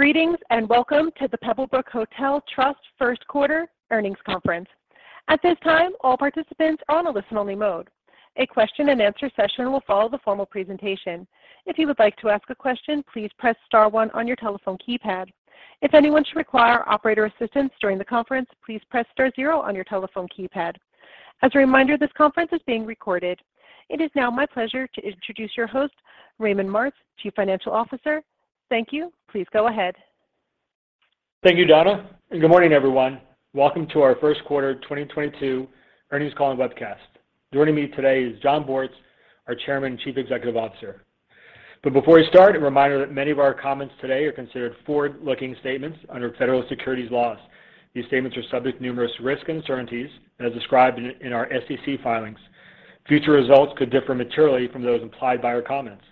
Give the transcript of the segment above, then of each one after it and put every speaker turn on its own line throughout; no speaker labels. Greetings, and welcome to the Pebblebrook Hotel Trust first quarter earnings conference. At this time, all participants are on a listen only mode. A question-and-answer session will follow the formal presentation. If you would like to ask a question, please press star one on your telephone keypad. If anyone should require operator assistance during the conference, please press star zero on your telephone keypad. As a reminder, this conference is being recorded. It is now my pleasure to introduce your host, Raymond Martz, Chief Financial Officer. Thank you. Please go ahead.
Thank you, Donna, and good morning, everyone. Welcome to our first quarter 2022 earnings call and webcast. Joining me today is Jon Bortz, our Chairman and Chief Executive Officer. Before we start, a reminder that many of our comments today are considered forward-looking statements under federal securities laws. These statements are subject to numerous risks and uncertainties as described in our SEC filings. Future results could differ materially from those implied by our comments.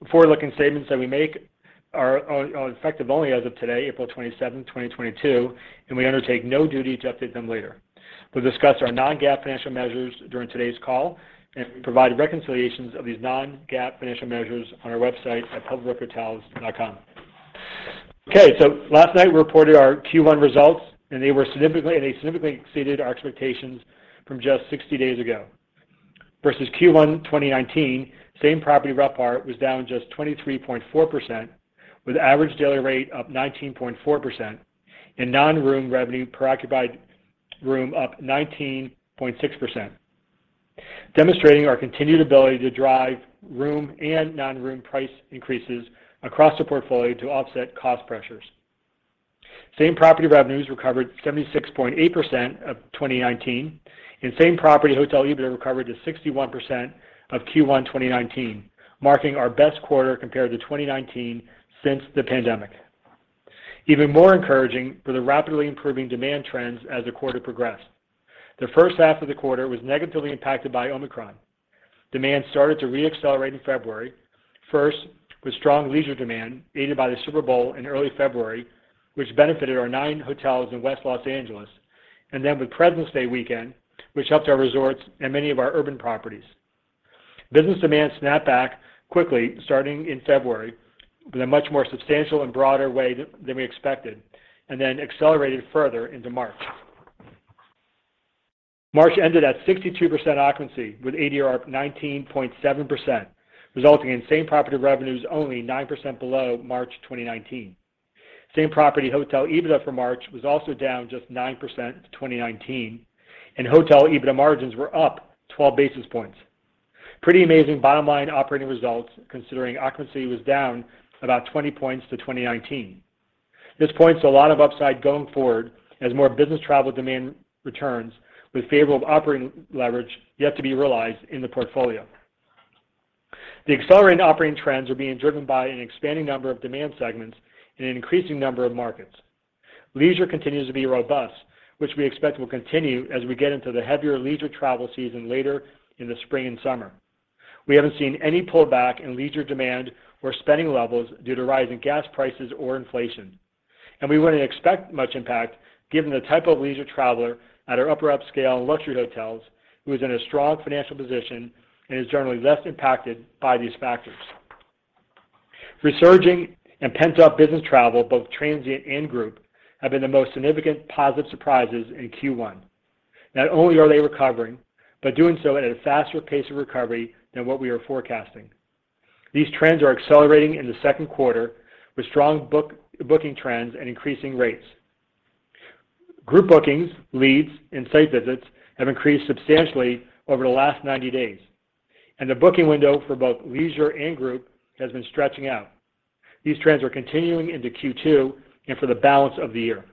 The forward-looking statements that we make are effective only as of today, April 27th, 2022, and we undertake no duty to update them later. We'll discuss our non-GAAP financial measures during today's call, and we provide reconciliations of these non-GAAP financial measures on our website at pebblebrookhotels.com. Okay, last night we reported our Q1 results, and they significantly exceeded our expectations from just 60 days ago. Versus Q1 2019, same property RevPAR was down just 23.4% with average daily rate up 19.4% and non-room revenue per occupied room up 19.6%, demonstrating our continued ability to drive room and non-room price increases across the portfolio to offset cost pressures. Same property revenues recovered 76.8% of 2019, and same property hotel EBITDA recovered to 61% of Q1 2019, marking our best quarter compared to 2019 since the pandemic. Even more encouraging were the rapidly improving demand trends as the quarter progressed. The first half of the quarter was negatively impacted by Omicron. Demand started to re-accelerate in February, first with strong leisure demand aided by the Super Bowl in early February, which benefited our nine hotels in West Los Angeles, and then with President's Day weekend, which helped our resorts and many of our urban properties. Business demand snapped back quickly starting in February in a much more substantial and broader way than we expected, and then accelerated further into March. March ended at 62% occupancy with ADR up 19.7%, resulting in same property revenues only 9% below March 2019. Same property hotel EBITDA for March was also down just 9% to 2019, and hotel EBITDA margins were up 12 basis points. Pretty amazing bottom line operating results considering occupancy was down about 20 points to 2019. This points to a lot of upside going forward as more business travel demand returns with favorable operating leverage yet to be realized in the portfolio. The accelerated operating trends are being driven by an expanding number of demand segments in an increasing number of markets. Leisure continues to be robust, which we expect will continue as we get into the heavier leisure travel season later in the spring and summer. We haven't seen any pullback in leisure demand or spending levels due to rising gas prices or inflation, and we wouldn't expect much impact given the type of leisure traveler at our upper upscale and luxury hotels who is in a strong financial position and is generally less impacted by these factors. Resurging and pent-up business travel, both transient and group, have been the most significant positive surprises in Q1. Not only are they recovering, but doing so at a faster pace of recovery than what we were forecasting. These trends are accelerating in the second quarter with strong book-booking trends and increasing rates. Group bookings, leads, and site visits have increased substantially over the last 90 days, and the booking window for both leisure and group has been stretching out. These trends are continuing into Q2 and for the balance of the year.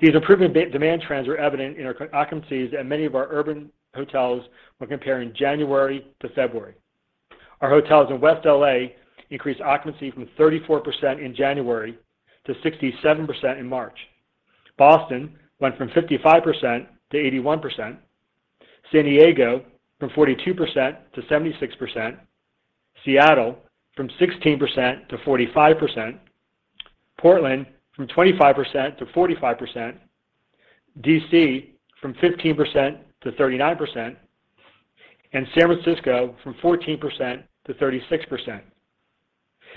These improvement demand trends are evident in our occupancies at many of our urban hotels when comparing January to February. Our hotels in West L.A. increased occupancy from 34% in January to 67% in March. Boston went from 55%-81%. San Diego from 42%-76%. Seattle from 16%-45%. Portland from 25%-45%. D.C. from 15% to 39%. San Francisco from 14%-36%.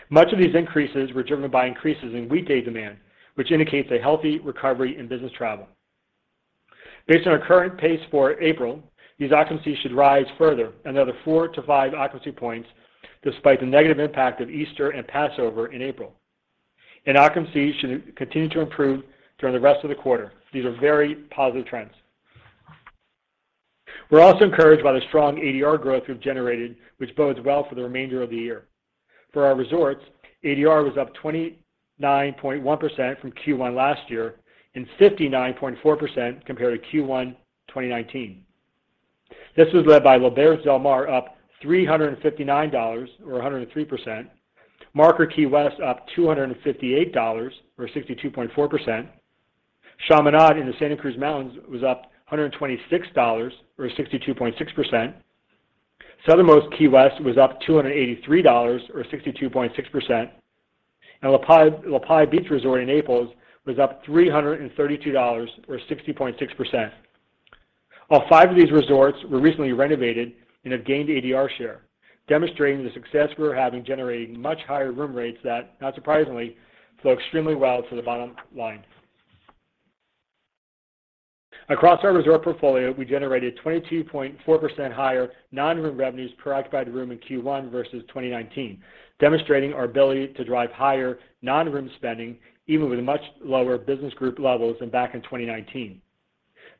Much of these increases were driven by increases in weekday demand, which indicates a healthy recovery in business travel. Based on our current pace for April, these occupancies should rise further, another four to five occupancy points, despite the negative impact of Easter and Passover in April. Occupancies should continue to improve during the rest of the quarter. These are very positive trends. We're also encouraged by the strong ADR growth we've generated, which bodes well for the remainder of the year. For our resorts, ADR was up 29.1% from Q1 last year and 59.4% compared to Q1 2019. This was led by L'Auberge Del Mar up $359, or 103%. The Marker Key West up $258, or 62.4%. Chaminade in the Santa Cruz Mountains was up $126, or 62.6%. Southernmost Key West was up $283, or 62.6%. LaPlaya Beach Resort in Naples was up $332, or 60.6%. All five of these resorts were recently renovated and have gained ADR share, demonstrating the success we're having generating much higher room rates that, not surprisingly, flow extremely well to the bottom line. Across our resort portfolio, we generated 22.4% higher non-room revenues per occupied room in Q1 versus 2019, demonstrating our ability to drive higher non-room spending even with much lower business group levels than back in 2019.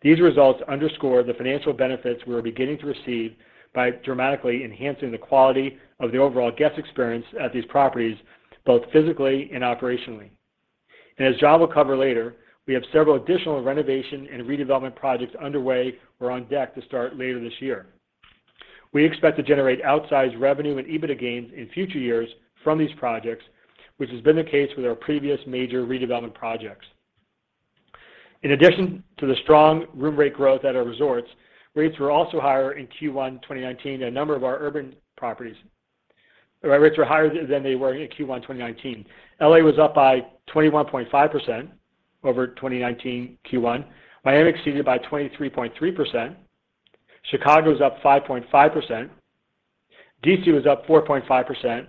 These results underscore the financial benefits we are beginning to receive by dramatically enhancing the quality of the overall guest experience at these properties, both physically and operationally. As Jon will cover later, we have several additional renovation and redevelopment projects underway or on deck to start later this year. We expect to generate outsized revenue and EBITDA gains in future years from these projects, which has been the case with our previous major redevelopment projects. In addition to the strong room rate growth at our resorts, rates were also higher in Q1 2019 in a number of our urban properties. Our rates were higher than they were in Q1 2019. L.A. was up by 21.5% over 2019 Q1. Miami exceeded by 23.3%. Chicago was up 5.5%. D.C. was up 4.5%,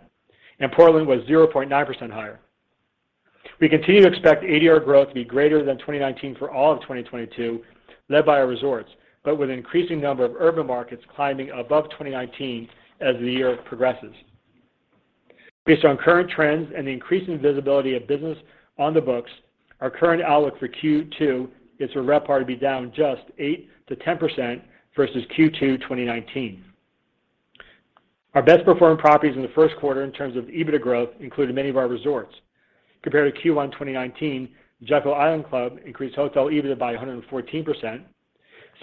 and Portland was 0.9% higher. We continue to expect ADR growth to be greater than 2019 for all of 2022, led by our resorts, but with an increasing number of urban markets climbing above 2019 as the year progresses. Based on current trends and the increasing visibility of business on the books, our current outlook for Q2 is for RevPAR to be down just 8%-10% versus Q2 2019. Our best performing properties in the first quarter in terms of EBITDA growth included many of our resorts. Compared to Q1 2019, Jekyll Island Club increased hotel EBITDA by 114%. San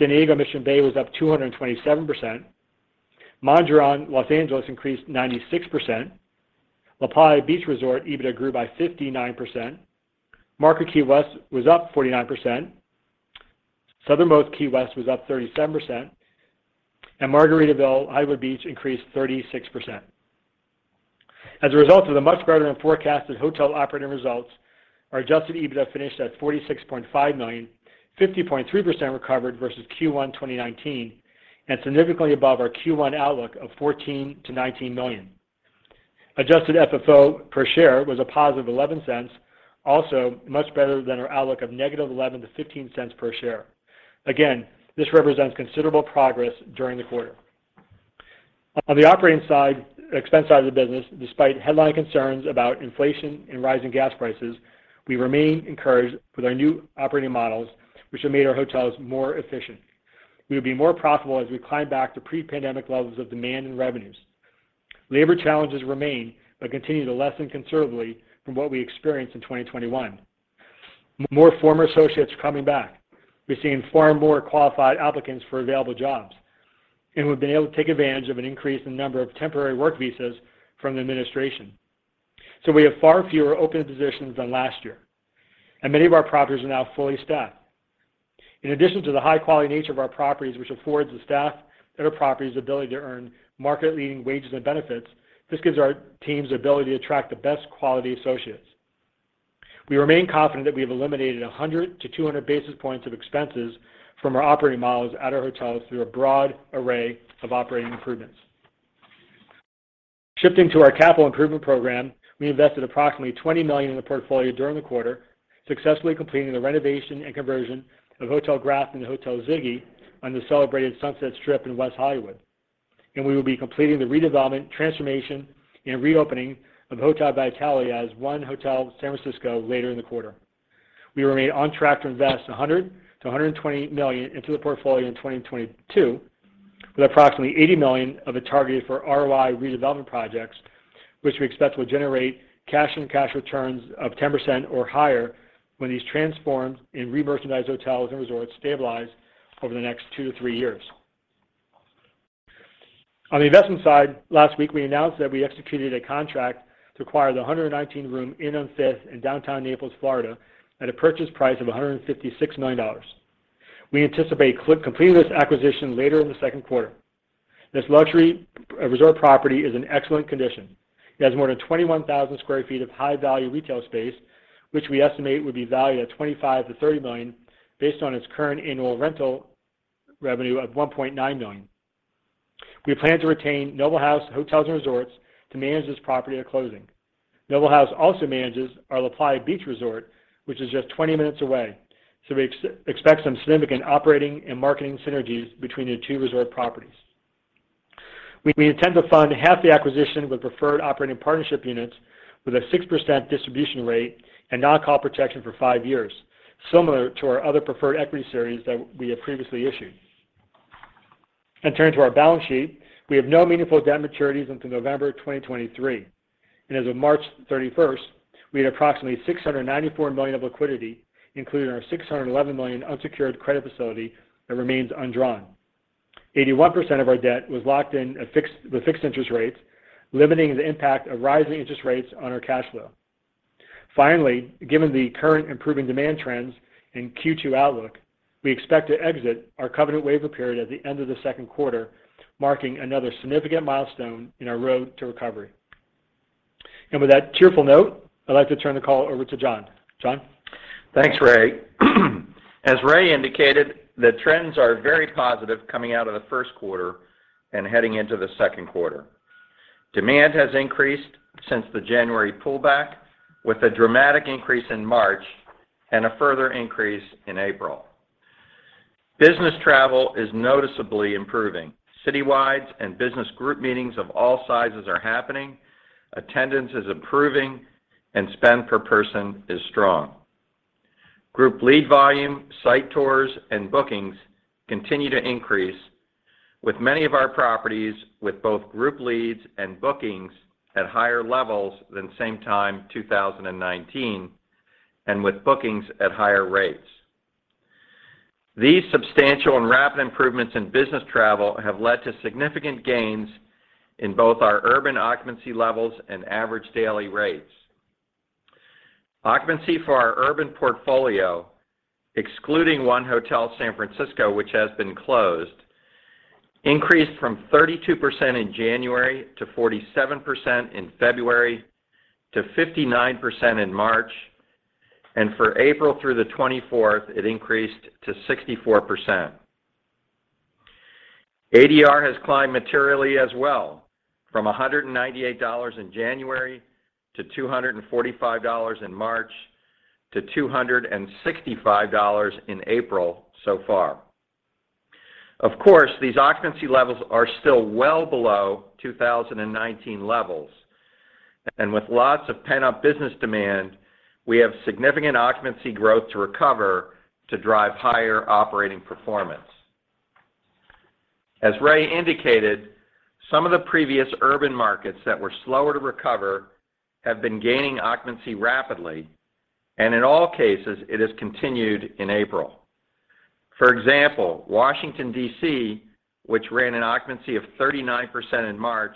Diego Mission Bay was up 227%. Mondrian Los Angeles increased 96%. LaPlaya Beach Resort EBITDA grew by 59%. The Marker Key West was up 49%. Southernmost Beach Resort was up 37%. Margaritaville Beach House Key West increased 36%. As a result of the much better than forecasted hotel operating results, our adjusted EBITDA finished at $46.5 million, 50.3% recovered versus Q1 2019, and significantly above our Q1 outlook of $14-$19 million. Adjusted FFO per share was $0.11, also much better than our outlook of -$0.11 to -$0.15 per share. This represents considerable progress during the quarter. On the operating side, expense side of the business, despite headline concerns about inflation and rising gas prices, we remain encouraged with our new operating models, which have made our hotels more efficient. We will be more profitable as we climb back to pre-pandemic levels of demand and revenues. Labor challenges remain, but continue to lessen considerably from what we experienced in 2021. More former associates are coming back. We're seeing far more qualified applicants for available jobs, and we've been able to take advantage of an increase in number of temporary work visas from the administration. We have far fewer open positions than last year, and many of our properties are now fully staffed. In addition to the high-quality nature of our properties, which affords the staff at our properties the ability to earn market-leading wages and benefits, this gives our teams the ability to attract the best quality associates. We remain confident that we have eliminated 100-200 basis points of expenses from our operating models at our hotels through a broad array of operating improvements. Shifting to our capital improvement program, we invested approximately $20 million in the portfolio during the quarter, successfully completing the renovation and conversion of Hotel Grafton and Hotel Ziggy on the celebrated Sunset Strip in West Hollywood. We will be completing the redevelopment, transformation, and reopening of Hotel Vitale as 1 Hotel San Francisco later in the quarter. We remain on track to invest $100 million-$120 million into the portfolio in 2022, with approximately $80 million of it targeted for ROI redevelopment projects, which we expect will generate cash-on-cash returns of 10% or higher when these transformed and re-merchandised hotels and resorts stabilize over the next two to three years. On the investment side, last week we announced that we executed a contract to acquire the 119-room Inn on Fifth in downtown Naples, Florida at a purchase price of $156 million. We anticipate completing this acquisition later in the second quarter. This luxury resort property is in excellent condition. It has more than 21,000 sq ft of high-value retail space, which we estimate would be valued at $25 million-$30 million based on its current annual rental revenue of $1.9 million. We plan to retain Noble House Hotels & Resorts to manage this property at closing. Noble House also manages our LaPlaya Beach Resort, which is just twenty minutes away, so we expect some significant operating and marketing synergies between the two resort properties. We intend to fund half the acquisition with preferred operating partnership units with a 6% distribution rate and non-call protection for five years, similar to our other preferred equity series that we have previously issued. Turning to our balance sheet, we have no meaningful debt maturities until November 2023. As of March 31, we had approximately $694 million of liquidity, including our $611 million unsecured credit facility that remains undrawn. 81% of our debt was locked in with fixed interest rates, limiting the impact of rising interest rates on our cash flow. Finally, given the current improving demand trends in Q2 outlook, we expect to exit our covenant waiver period at the end of the second quarter, marking another significant milestone in our road to recovery. With that cheerful note, I'd like to turn the call over to Jon. Jon?
Thanks, Ray. As Ray indicated, the trends are very positive coming out of the first quarter and heading into the second quarter. Demand has increased since the January pullback, with a dramatic increase in March and a further increase in April. Business travel is noticeably improving. Citywides and business group meetings of all sizes are happening, attendance is improving, and spend per person is strong. Group lead volume, site tours, and bookings continue to increase, with many of our properties with both group leads and bookings at higher levels than same time, 2019, and with bookings at higher rates. These substantial and rapid improvements in business travel have led to significant gains in both our urban occupancy levels and average daily rates. Occupancy for our urban portfolio, excluding 1 Hotel San Francisco, which has been closed, increased from 32% in January to 47% in February to 59% in March, and for April through the 24th, it increased to 64%. ADR has climbed materially as well from $198 in January to $245 in March to $265 in April so far. Of course, these occupancy levels are still well below 2019 levels. With lots of pent-up business demand, we have significant occupancy growth to recover to drive higher operating performance. As Ray indicated, some of the previous urban markets that were slower to recover have been gaining occupancy rapidly, and in all cases, it has continued in April. For example, Washington, D.C., which ran an occupancy of 39% in March,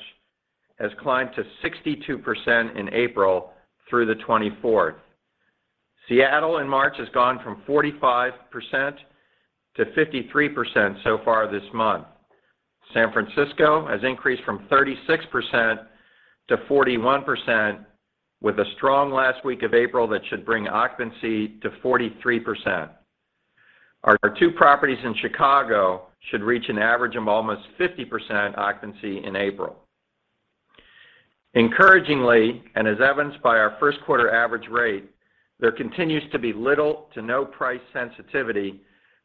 has climbed to 62% in April through the 24th. Seattle in March has gone from 45%-53% so far this month. San Francisco has increased from 36%-41% with a strong last week of April that should bring occupancy to 43%. Our two properties in Chicago should reach an average of almost 50% occupancy in April. Encouragingly, and as evidenced by our first quarter average rate, there continues to be little to no price sensitivity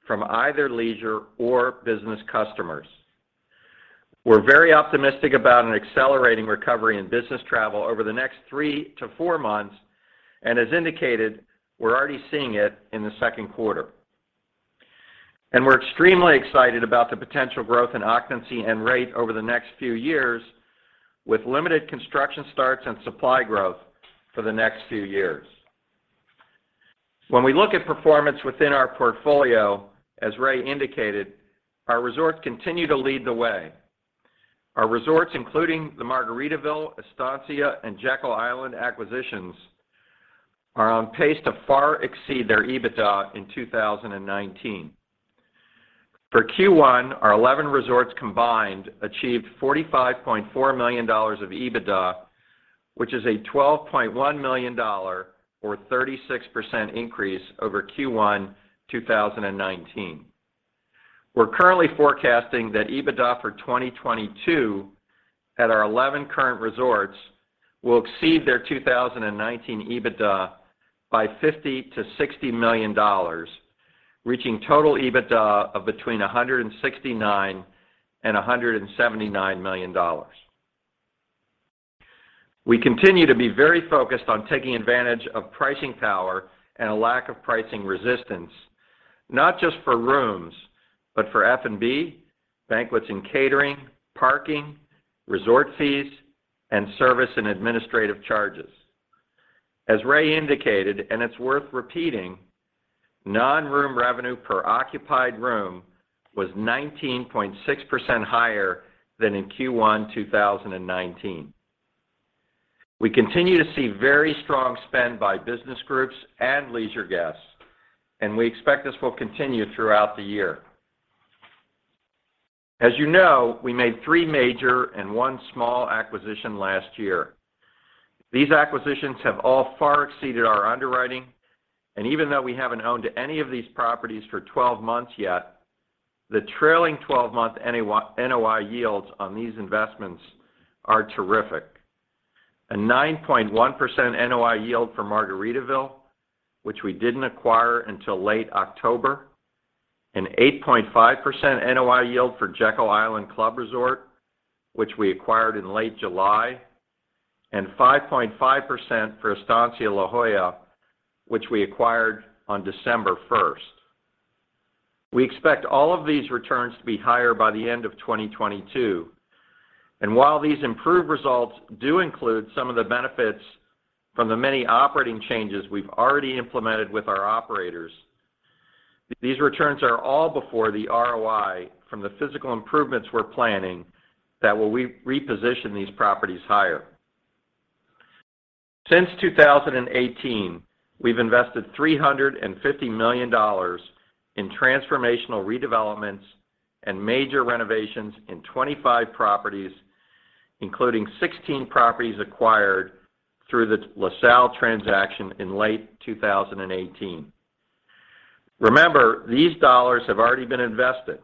from either leisure or business customers. We're very optimistic about an accelerating recovery in business travel over the next three to four months. As indicated, we're already seeing it in the second quarter. We're extremely excited about the potential growth in occupancy and rate over the next few years with limited construction starts and supply growth for the next few years. When we look at performance within our portfolio, as Ray indicated, our resorts continue to lead the way. Our resorts, including the Margaritaville, Estancia, and Jekyll Island acquisitions, are on pace to far exceed their EBITDA in 2019. For Q1, our 11 resorts combined achieved $45.4 million of EBITDA, which is a $12.1 million or 36% increase over Q1 2019. We're currently forecasting that EBITDA for 2022 at our 11 current resorts will exceed their 2019 EBITDA by $50 million-$60 million, reaching total EBITDA of between $169 million and $179 million. We continue to be very focused on taking advantage of pricing power and a lack of pricing resistance, not just for rooms, but for F&B, banquets and catering, parking, resort fees, and service and administrative charges. As Ray indicated, and it's worth repeating, non-room revenue per occupied room was 19.6% higher than in Q1 2019. We continue to see very strong spend by business groups and leisure guests, and we expect this will continue throughout the year. As you know, we made three major and one small acquisition last year. These acquisitions have all far exceeded our underwriting, and even though we haven't owned any of these properties for 12 months yet, the trailing 12-month NOI yields on these investments are terrific. A 9.1% NOI yield for Margaritaville, which we didn't acquire until late October, an 8.5% NOI yield for Jekyll Island Club Resort, which we acquired in late July, and 5.5% for Estancia La Jolla, which we acquired on December first. We expect all of these returns to be higher by the end of 2022. While these improved results do include some of the benefits from the many operating changes we've already implemented with our operators, these returns are all before the ROI from the physical improvements we're planning that will reposition these properties higher. Since 2018, we've invested $350 million in transformational redevelopments and major renovations in 25 properties, including 16 properties acquired through the LaSalle transaction in late 2018. Remember, these dollars have already been invested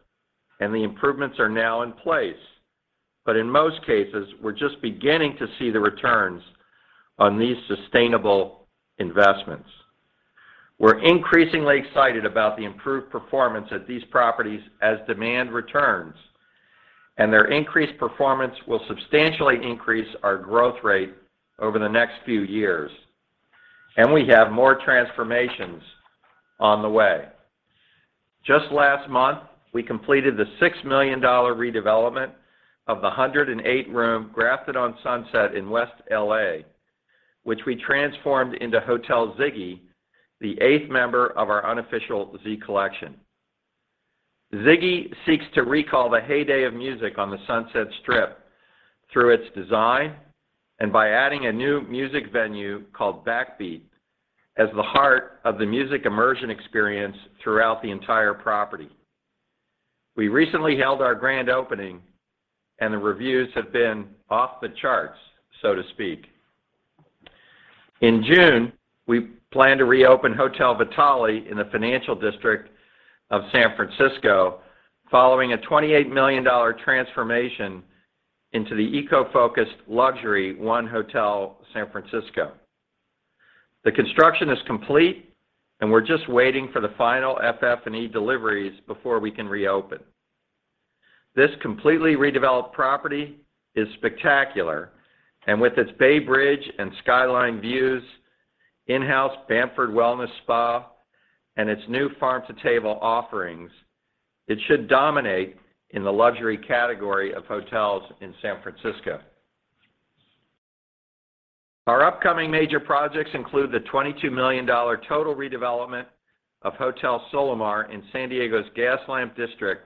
and the improvements are now in place. In most cases, we're just beginning to see the returns on these sustainable investments. We're increasingly excited about the improved performance of these properties as demand returns, and their increased performance will substantially increase our growth rate over the next few years. We have more transformations on the way. Just last month, we completed the $6 million redevelopment of the 108-room Grafton on Sunset in West Hollywood, which we transformed into Hotel Ziggy, the eighth member of our Unofficial Z Collection. Ziggy seeks to recall the heyday of music on the Sunset Strip through its design and by adding a new music venue called Backbeat as the heart of the music immersion experience throughout the entire property. We recently held our grand opening and the reviews have been off the charts, so to speak. In June, we plan to reopen Hotel Vitale in the Financial District of San Francisco following a $28 million transformation into the eco-focused luxury 1 Hotel San Francisco. The construction is complete and we're just waiting for the final FF&E deliveries before we can reopen. This completely redeveloped property is spectacular, and with its Bay Bridge and skyline views, in-house Bamford Wellness Spa, and its new farm-to-table offerings, it should dominate in the luxury category of hotels in San Francisco. Our upcoming major projects include the $22 million total redevelopment of Hotel Solamar in San Diego's Gaslamp Quarter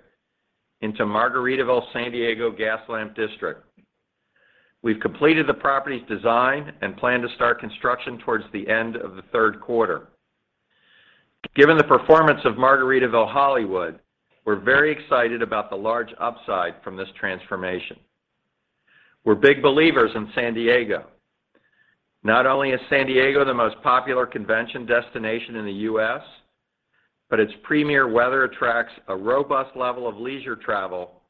into Margaritaville Hotel San Diego Gaslamp Quarter. We've completed the property's design and plan to start construction towards the end of the third quarter. Given the performance of Margaritaville Hollywood, we're very excited about the large upside from this transformation. We're big believers in San Diego. Not only is San Diego the most popular convention destination in the U.S., but its premier weather attracts a robust level of leisure travel,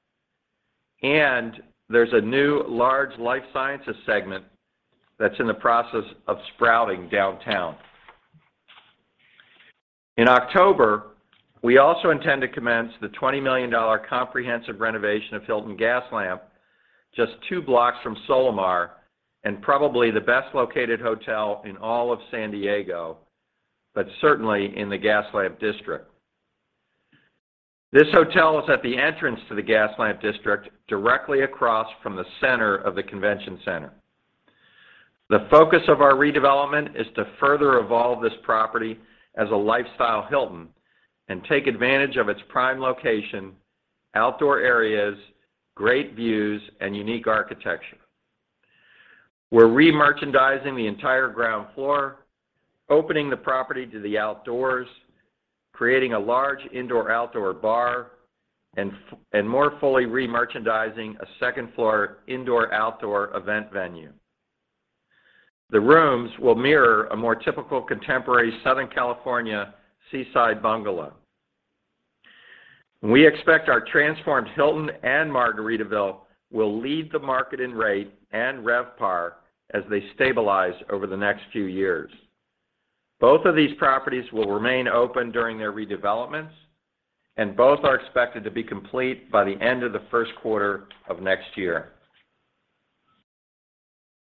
and there's a new large life sciences segment that's in the process of sprouting downtown. In October, we also intend to commence the $20 million comprehensive renovation of Hilton San Diego Gaslamp Quarter, just two blocks from Hotel Solamar and probably the best-located hotel in all of San Diego, but certainly in the Gaslamp District. This hotel is at the entrance to the Gaslamp District, directly across from the center of the convention center. The focus of our redevelopment is to further evolve this property as a lifestyle Hilton and take advantage of its prime location, outdoor areas, great views, and unique architecture. We're remerchandising the entire ground floor, opening the property to the outdoors, creating a large indoor-outdoor bar, and more fully remerchandising a second-floor indoor-outdoor event venue. The rooms will mirror a more typical contemporary Southern California seaside bungalow. We expect our transformed Hilton and Margaritaville will lead the market in rate and RevPAR as they stabilize over the next few years. Both of these properties will remain open during their redevelopments, and both are expected to be complete by the end of the first quarter of next year.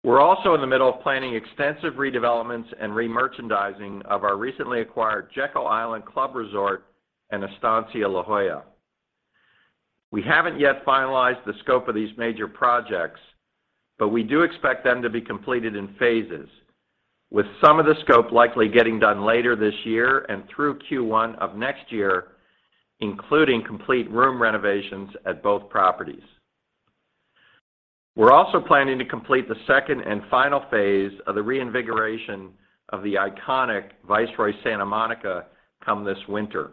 We're also in the middle of planning extensive redevelopments and remerchandising of our recently acquired Jekyll Island Club Resort and Estancia La Jolla. We haven't yet finalized the scope of these major projects, but we do expect them to be completed in phases, with some of the scope likely getting done later this year and through Q1 of next year, including complete room renovations at both properties. We're also planning to complete the second and final phase of the reinvigoration of the iconic Viceroy Santa Monica come this winter.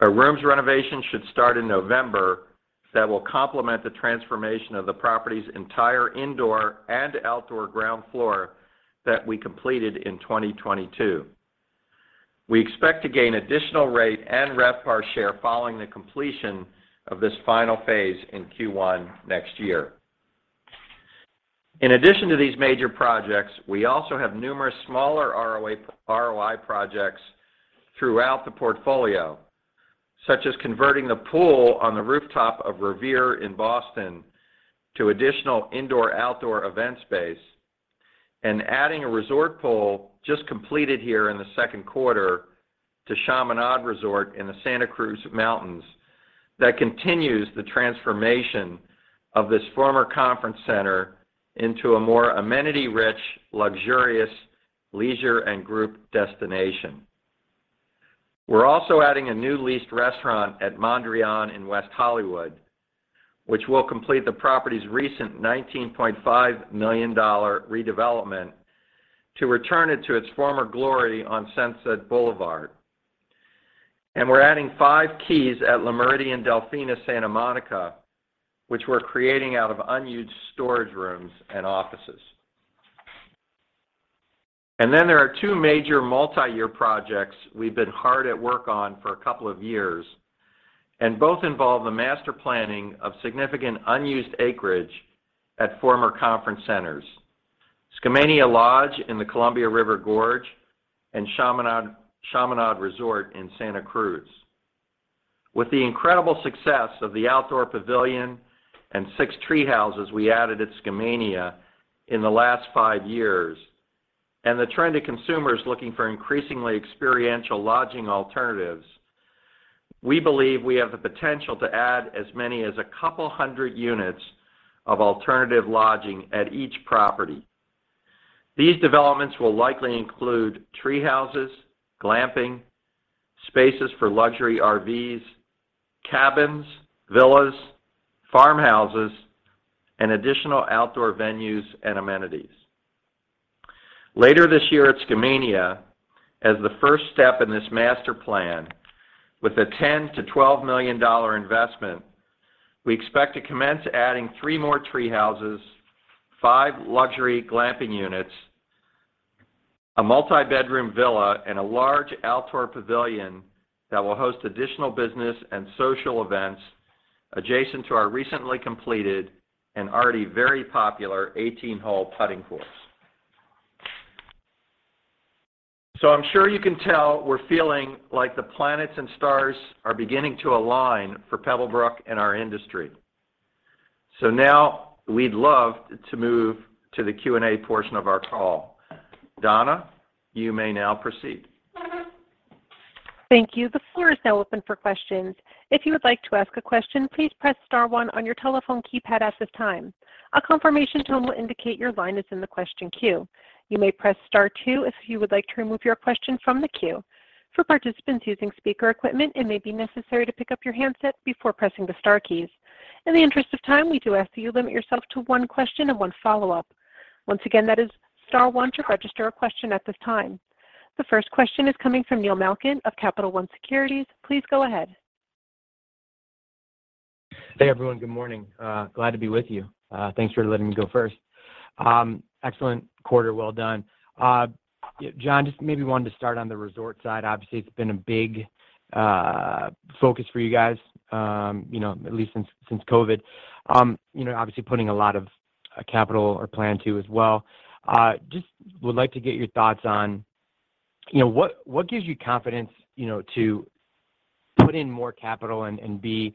Our rooms renovation should start in November that will complement the transformation of the property's entire indoor and outdoor ground floor that we completed in 2022. We expect to gain additional rate and RevPAR share following the completion of this final phase in Q1 next year. In addition to these major projects, we also have numerous smaller ROI projects throughout the portfolio, such as converting the pool on the rooftop of Revere in Boston to additional indoor-outdoor event space and adding a resort pool just completed here in the second quarter to Chaminade Resort & Spa in the Santa Cruz Mountains that continues the transformation of this former conference center into a more amenity-rich, luxurious leisure and group destination. We're also adding a new leased restaurant at Mondrian in West Hollywood, which will complete the property's recent $19.5 million redevelopment to return it to its former glory on Sunset Boulevard. We're adding five keys at Le Méridien Delfina Santa Monica, which we're creating out of unused storage rooms and offices. There are two major multi-year projects we've been hard at work on for a couple of years, and both involve the master planning of significant unused acreage at former conference centers, Skamania Lodge in the Columbia River Gorge and Chaminade Resort in Santa Cruz. With the incredible success of the outdoor pavilion and six tree houses we added at Skamania in the last five years, and the trend of consumers looking for increasingly experiential lodging alternatives, we believe we have the potential to add as many as a couple hundred units of alternative lodging at each property. These developments will likely include tree houses, glamping, spaces for luxury RVs, cabins, villas, farmhouses and additional outdoor venues and amenities. Later this year at Skamania, as the first step in this master plan, with a $10 million-$12 million investment, we expect to commence adding three more tree houses, five luxury glamping units, a multi-bedroom villa and a large outdoor pavilion that will host additional business and social events adjacent to our recently completed and already very popular 18-hole putting course. I'm sure you can tell we're feeling like the planets and stars are beginning to align for Pebblebrook and our industry. Now we'd love to move to the Q&A portion of our call. Donna, you may now proceed.
Thank you. The floor is now open for questions. If you would like to ask a question, please press star one on your telephone keypad at this time. A confirmation tone will indicate your line is in the question queue. You may press star two if you would like to remove your question from the queue. For participants using speaker equipment, it may be necessary to pick up your handset before pressing the star keys. In the interest of time, we do ask that you limit yourself to one question and one follow-up. Once again, that is star one to register a question at this time. The first question is coming from Neil Malkin of Capital One Securities. Please go ahead.
Hey, everyone. Good morning. Glad to be with you. Thanks for letting me go first. Excellent quarter. Well done. Yeah, Jon, just maybe wanted to start on the resort side. Obviously, it's been a big focus for you guys, you know, at least since COVID. You know, obviously putting a lot of capital or plan to as well. Just would like to get your thoughts on, you know, what gives you confidence, you know, to put in more capital and be,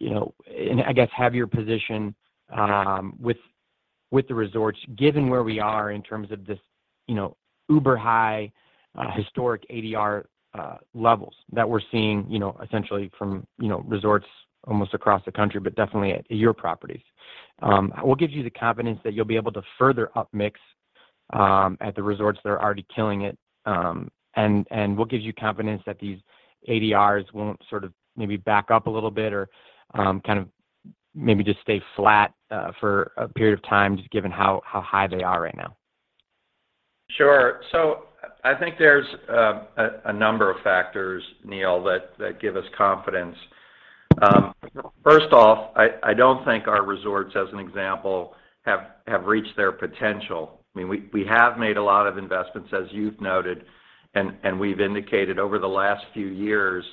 you know, and I guess have your position, with the resorts given where we are in terms of this, you know, uber high historic ADR levels that we're seeing, you know, essentially from, you know, resorts almost across the country, but definitely at your properties. What gives you the confidence that you'll be able to further up mix at the resorts that are already killing it? What gives you confidence that these ADRs won't sort of maybe back up a little bit or kind of maybe just stay flat for a period of time just given how high they are right now?
Sure. I think there's a number of factors, Neil, that give us confidence. First off, I don't think our resorts, as an example, have reached their potential. I mean, we have made a lot of investments, as you've noted, and we've indicated over the last few years,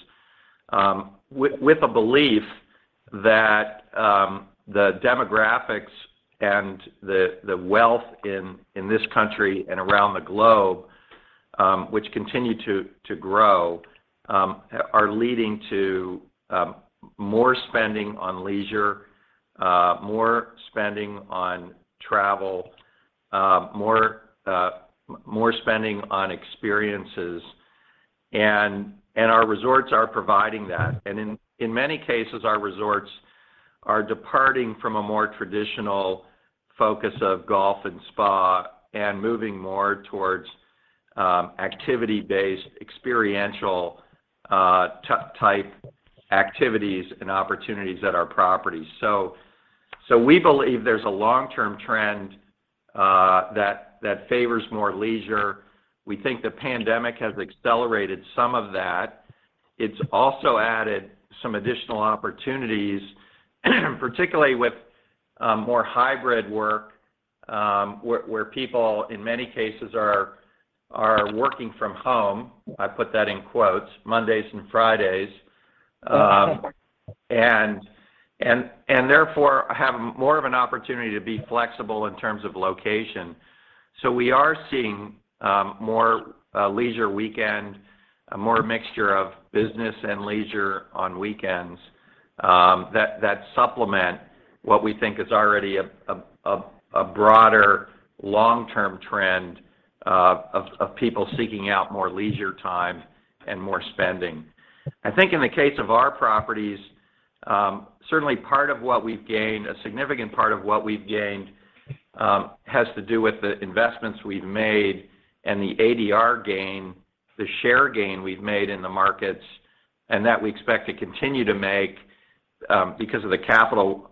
with a belief that the demographics and the wealth in this country and around the globe, which continue to grow, are leading to more spending on leisure, more spending on travel, more spending on experiences, and our resorts are providing that. In many cases, our resorts are departing from a more traditional focus of golf and spa and moving more towards activity-based, experiential type activities and opportunities at our properties. We believe there's a long-term trend that favors more leisure. We think the pandemic has accelerated some of that. It's also added some additional opportunities, particularly with more hybrid work, where people, in many cases are working from home. I put that in quotes, Mondays and Fridays. And therefore have more of an opportunity to be flexible in terms of location. We are seeing more leisure weekend, more mixture of business and leisure on weekends, that supplement what we think is already a broader long-term trend of people seeking out more leisure time and more spending. I think in the case of our properties, certainly part of what we've gained, a significant part of what we've gained, has to do with the investments we've made and the ADR gain, the share gain we've made in the markets, and that we expect to continue to make, because of the capital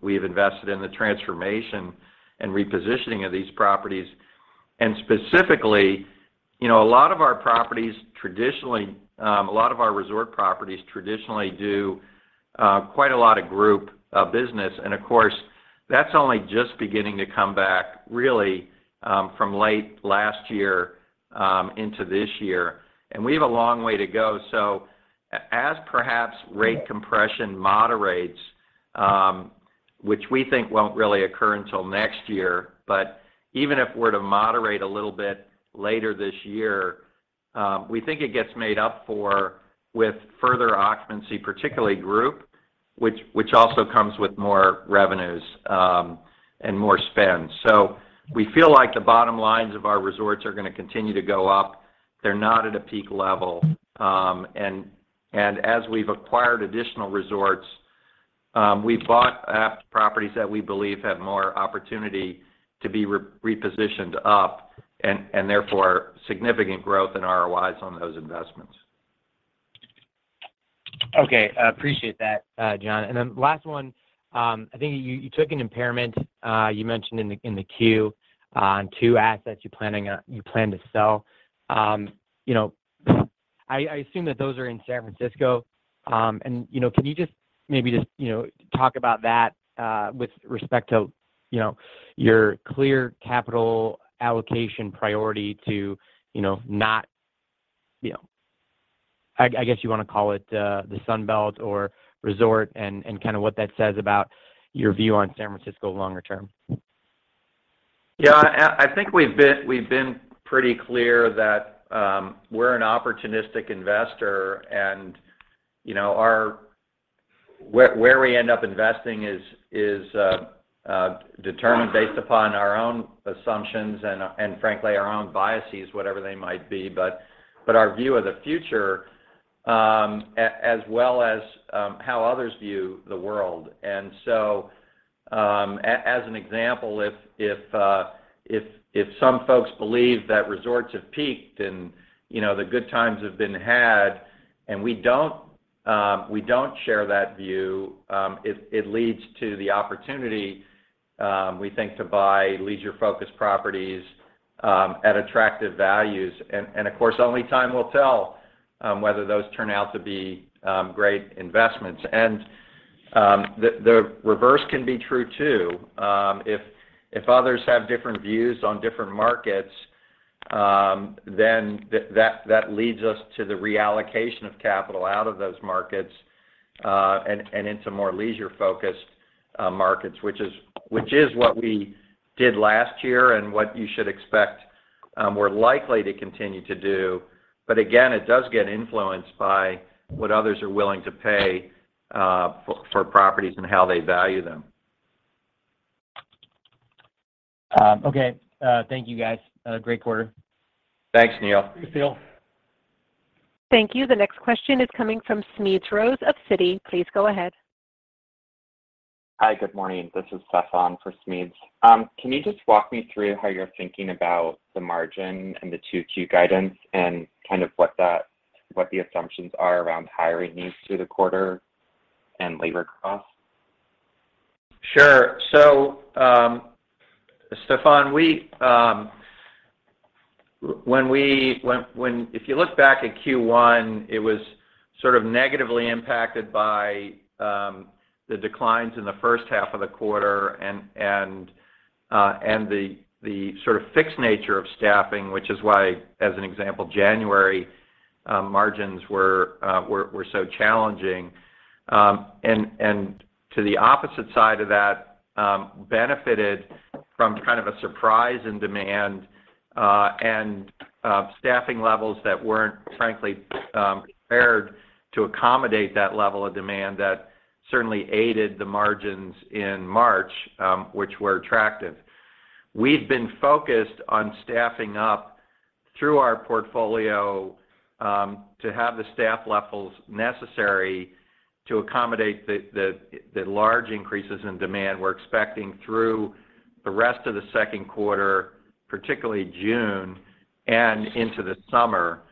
we've invested in the transformation and repositioning of these properties. Specifically, you know, a lot of our properties traditionally, a lot of our resort properties traditionally do quite a lot of group business. Of course, that's only just beginning to come back really from late last year into this year, and we have a long way to go. As perhaps rate compression moderates, which we think won't really occur until next year, but even if we're to moderate a little bit later this year, we think it gets made up for with further occupancy, particularly group, which also comes with more revenues, and more spend. We feel like the bottom lines of our resorts are gonna continue to go up. They're not at a peak level. As we've acquired additional resorts, we've bought properties that we believe have more opportunity to be repositioned up and therefore significant growth in ROIs on those investments.
Okay. I appreciate that, Jon. Last one, I think you took an impairment you mentioned in the Q on two assets you plan to sell. I assume that those are in San Francisco, and can you just maybe talk about that with respect to your clear capital allocation priority to not, I guess you wanna call it, the Sun Belt or resort and kind of what that says about your view on San Francisco longer term.
Yeah. I think we've been pretty clear that we're an opportunistic investor and, you know, where we end up investing is determined based upon our own assumptions and frankly, our own biases, whatever they might be, but our view of the future as well as how others view the world. As an example, if some folks believe that resorts have peaked and, you know, the good times have been had, and we don't share that view, it leads to the opportunity we think to buy leisure-focused properties at attractive values. Of course, only time will tell whether those turn out to be great investments. The reverse can be true too. If others have different views on different markets, then that leads us to the reallocation of capital out of those markets, and into more leisure-focused markets, which is what we did last year and what you should expect, we're likely to continue to do. Again, it does get influenced by what others are willing to pay for properties and how they value them.
Okay. Thank you guys. Great quarter.
Thanks, Neil.
Thanks, Neil.
Thank you. The next question is coming from Smedes Rose of Citi. Please go ahead.
Hi. Good morning. This is Stefan for Smedes. Can you just walk me through how you're thinking about the margin and the 2Q guidance and kind of what the assumptions are around hiring needs through the quarter and labor costs?
Sure. Stefan, if you look back at Q1, it was sort of negatively impacted by the declines in the first half of the quarter and the sort of fixed nature of staffing, which is why, as an example, January margins were so challenging. To the opposite side of that, benefited from kind of a surprise in demand and staffing levels that weren't frankly prepared to accommodate that level of demand that certainly aided the margins in March, which were attractive. We've been focused on staffing up through our portfolio to have the staff levels necessary to accommodate the large increases in demand we're expecting through the rest of the second quarter, particularly June and into the summer,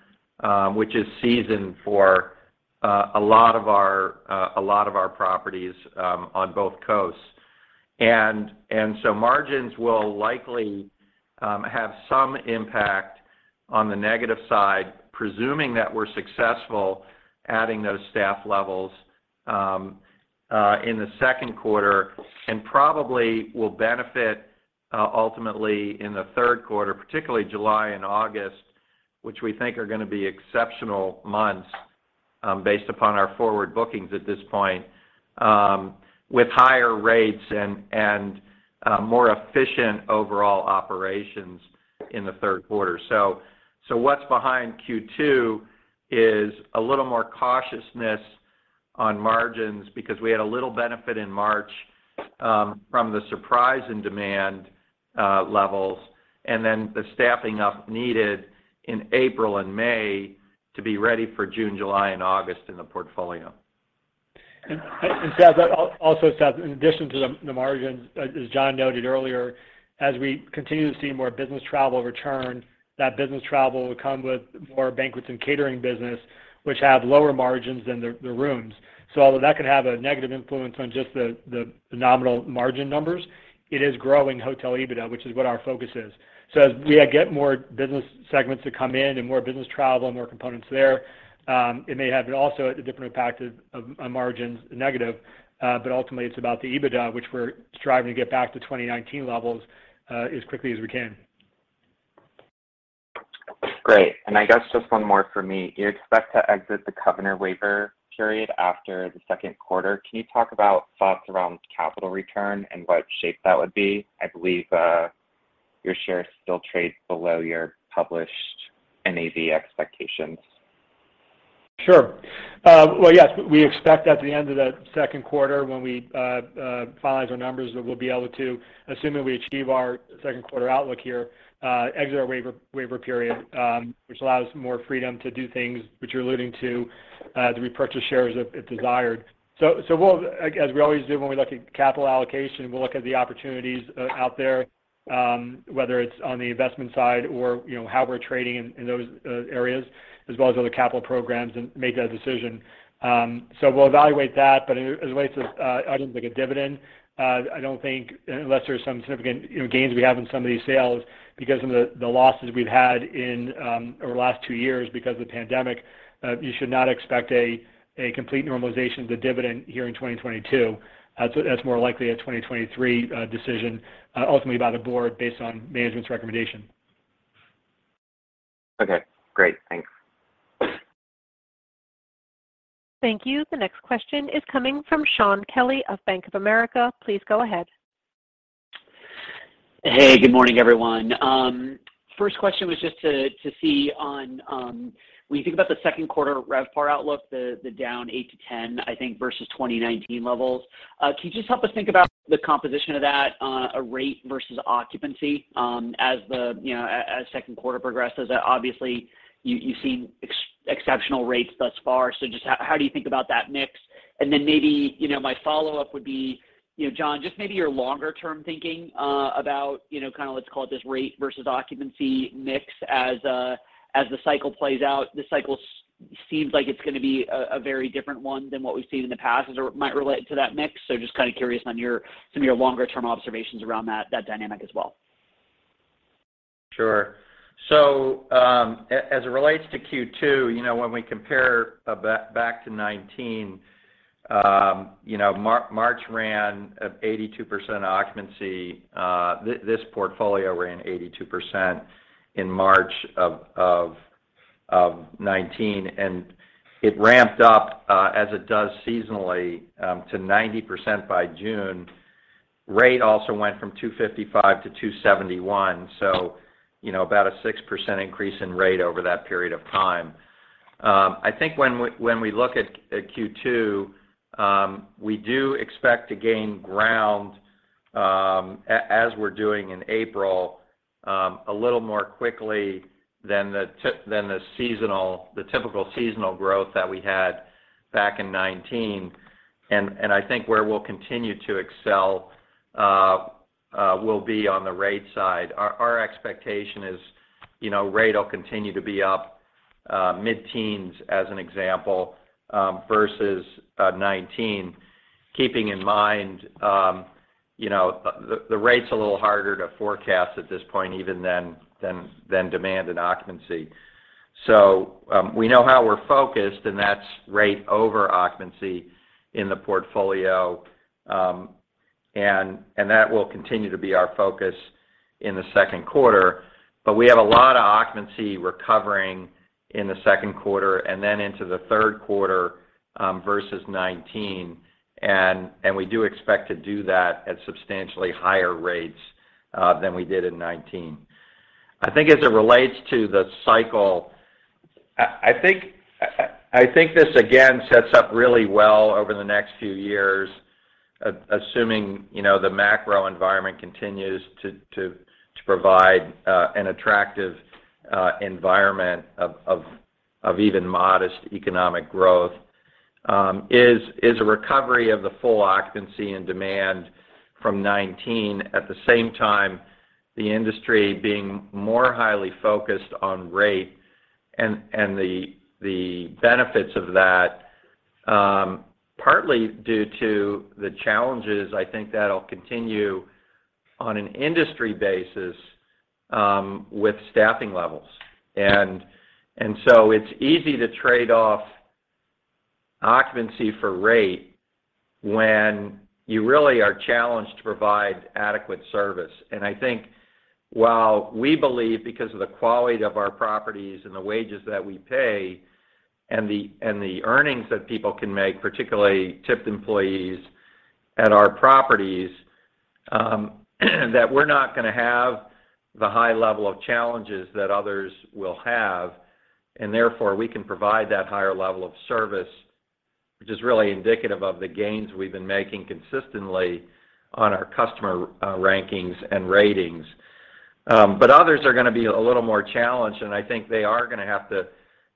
which is season for a lot of our properties on both coasts. Margins will likely have some impact on the negative side, presuming that we're successful adding those staff levels in the second quarter, and probably will benefit ultimately in the third quarter, particularly July and August, which we think are gonna be exceptional months based upon our forward bookings at this point with higher rates and more efficient overall operations in the third quarter. What's behind Q2 is a little more cautiousness on margins because we had a little benefit in March from the surprise in demand levels, and then the staffing up needed in April and May to be ready for June, July, and August in the portfolio.
Stef, I'll also add, Stef, in addition to the margins, as Jon noted earlier, as we continue to see more business travel return, that business travel will come with more banquets and catering business, which have lower margins than the rooms. Although that could have a negative influence on just the nominal margin numbers, it is growing hotel EBITDA, which is what our focus is. As we get more business segments to come in and more business travel and more components there, it may have also a different impact on margins negative, but ultimately, it's about the EBITDA, which we're striving to get back to 2019 levels, as quickly as we can.
Great. I guess just one more for me. You expect to exit the covenant waiver period after the second quarter. Can you talk about thoughts around capital return and what shape that would be? I believe, your shares still trade below your published NAV expectations.
Sure. Well, yes, we expect at the end of the second quarter when we finalize our numbers, that we'll be able to, assuming we achieve our second quarter outlook here, exit our waiver period, which allows more freedom to do things which you're alluding to repurchase shares if desired. As we always do when we look at capital allocation, we'll look at the opportunities out there, whether it's on the investment side or, you know, how we're trading in those areas as well as other capital programs and make that decision. We'll evaluate that, but as it relates to items like a dividend, I don't think unless there's some significant, you know, gains we have in some of these sales because of the losses we've had over the last two years because of the pandemic, you should not expect a complete normalization of the dividend here in 2022. That's more likely a 2023 decision ultimately by the board based on management's recommendation.
Okay, great. Thanks.
Thank you. The next question is coming from Shaun Kelley of Bank of America. Please go ahead.
Hey, good morning, everyone. First question was just to see on when you think about the second quarter RevPAR outlook, the down 8-10, I think, versus 2019 levels, can you just help us think about the composition of that, a rate versus occupancy, as you know, as second quarter progresses? Obviously, you've seen exceptional rates thus far. So just how do you think about that mix? And then maybe, you know, Jon, just maybe your longer-term thinking, about you know, kind of let's call it this rate versus occupancy mix as the cycle plays out. This cycle seems like it's gonna be a very different one than what we've seen in the past as it might relate to that mix. Just kind of curious on your some of your longer-term observations around that dynamic as well.
Sure. As it relates to Q2, you know, when we compare back to 2019, March ran at 82% occupancy. This portfolio ran 82% in March of 2019, and it ramped up, as it does seasonally, to 90% by June. Rate also went from $255-$271, you know, about a 6% increase in rate over that period of time. I think when we look at Q2, we do expect to gain ground, as we're doing in April, a little more quickly than the typical seasonal growth that we had back in 2019. I think where we'll continue to excel will be on the rate side. Our expectation is, you know, rate will continue to be up mid-teens as an example, versus 2019, keeping in mind, you know, the rate's a little harder to forecast at this point even than demand and occupancy. We know we're focused, and that's rate over occupancy in the portfolio, and that will continue to be our focus in the second quarter. We have a lot of occupancy recovering in the second quarter and then into the third quarter, versus 2019, and we do expect to do that at substantially higher rates than we did in 2019. I think as it relates to the cycle, I think this again sets up really well over the next few years as assuming, you know, the macro environment continues to provide an attractive environment of even modest economic growth is a recovery of the full occupancy and demand from 2019 at the same time the industry being more highly focused on rate and the benefits of that, partly due to the challenges I think that'll continue on an industry basis with staffing levels. It's easy to trade off occupancy for rate when you really are challenged to provide adequate service. I think while we believe because of the quality of our properties and the wages that we pay and the earnings that people can make, particularly tipped employees at our properties, that we're not gonna have the high level of challenges that others will have, and therefore, we can provide that higher level of service, which is really indicative of the gains we've been making consistently on our customer rankings and ratings. Others are gonna be a little more challenged, and I think they are gonna have to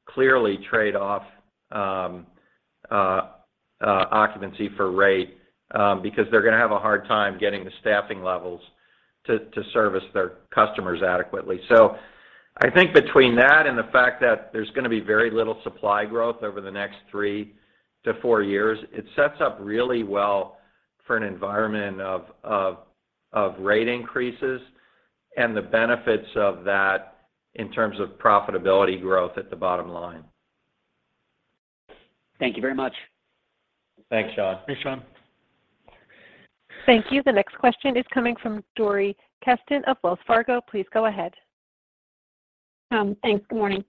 clearly trade off occupancy for rate because they're gonna have a hard time getting the staffing levels to service their customers adequately. I think between that and the fact that there's gonna be very little supply growth over the next 3-4 years, it sets up really well for an environment of rate increases and the benefits of that in terms of profitability growth at the bottom line.
Thank you very much.
Thanks, Shaun.
Thanks, Shaun.
Thank you. The next question is coming from Dori Kesten of Wells Fargo. Please go ahead.
Thanks. Good morning.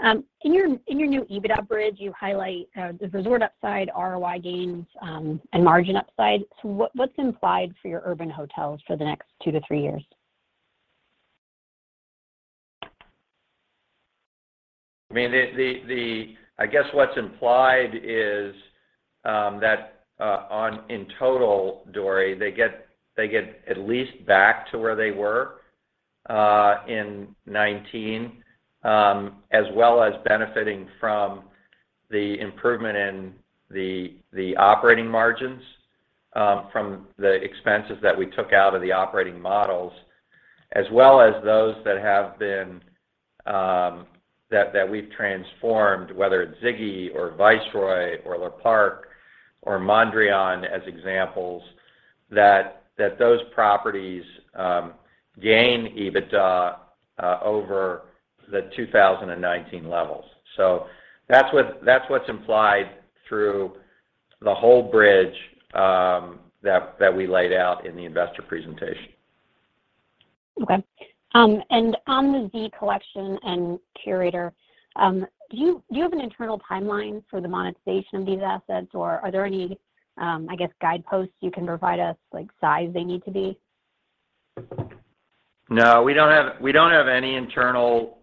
In your new EBITDA bridge, you highlight the resort upside, ROI gains, and margin upside. What's implied for your urban hotels for the next two to three years?
I mean, I guess what's implied is that in total, Dori, they get at least back to where they were in 2019, as well as benefiting from the improvement in the operating margins from the expenses that we took out of the operating models, as well as those that we've transformed, whether it's Ziggy or Viceroy or Le Parc or Mondrian as examples, that those properties gain EBITDA over the 2019 levels. So that's what's implied through the whole bridge that we laid out in the investor presentation.
Okay. Do you have an internal timeline for the monetization of these assets? Or are there any, I guess, guideposts you can provide us, like size they need to be?
No, we don't have any internal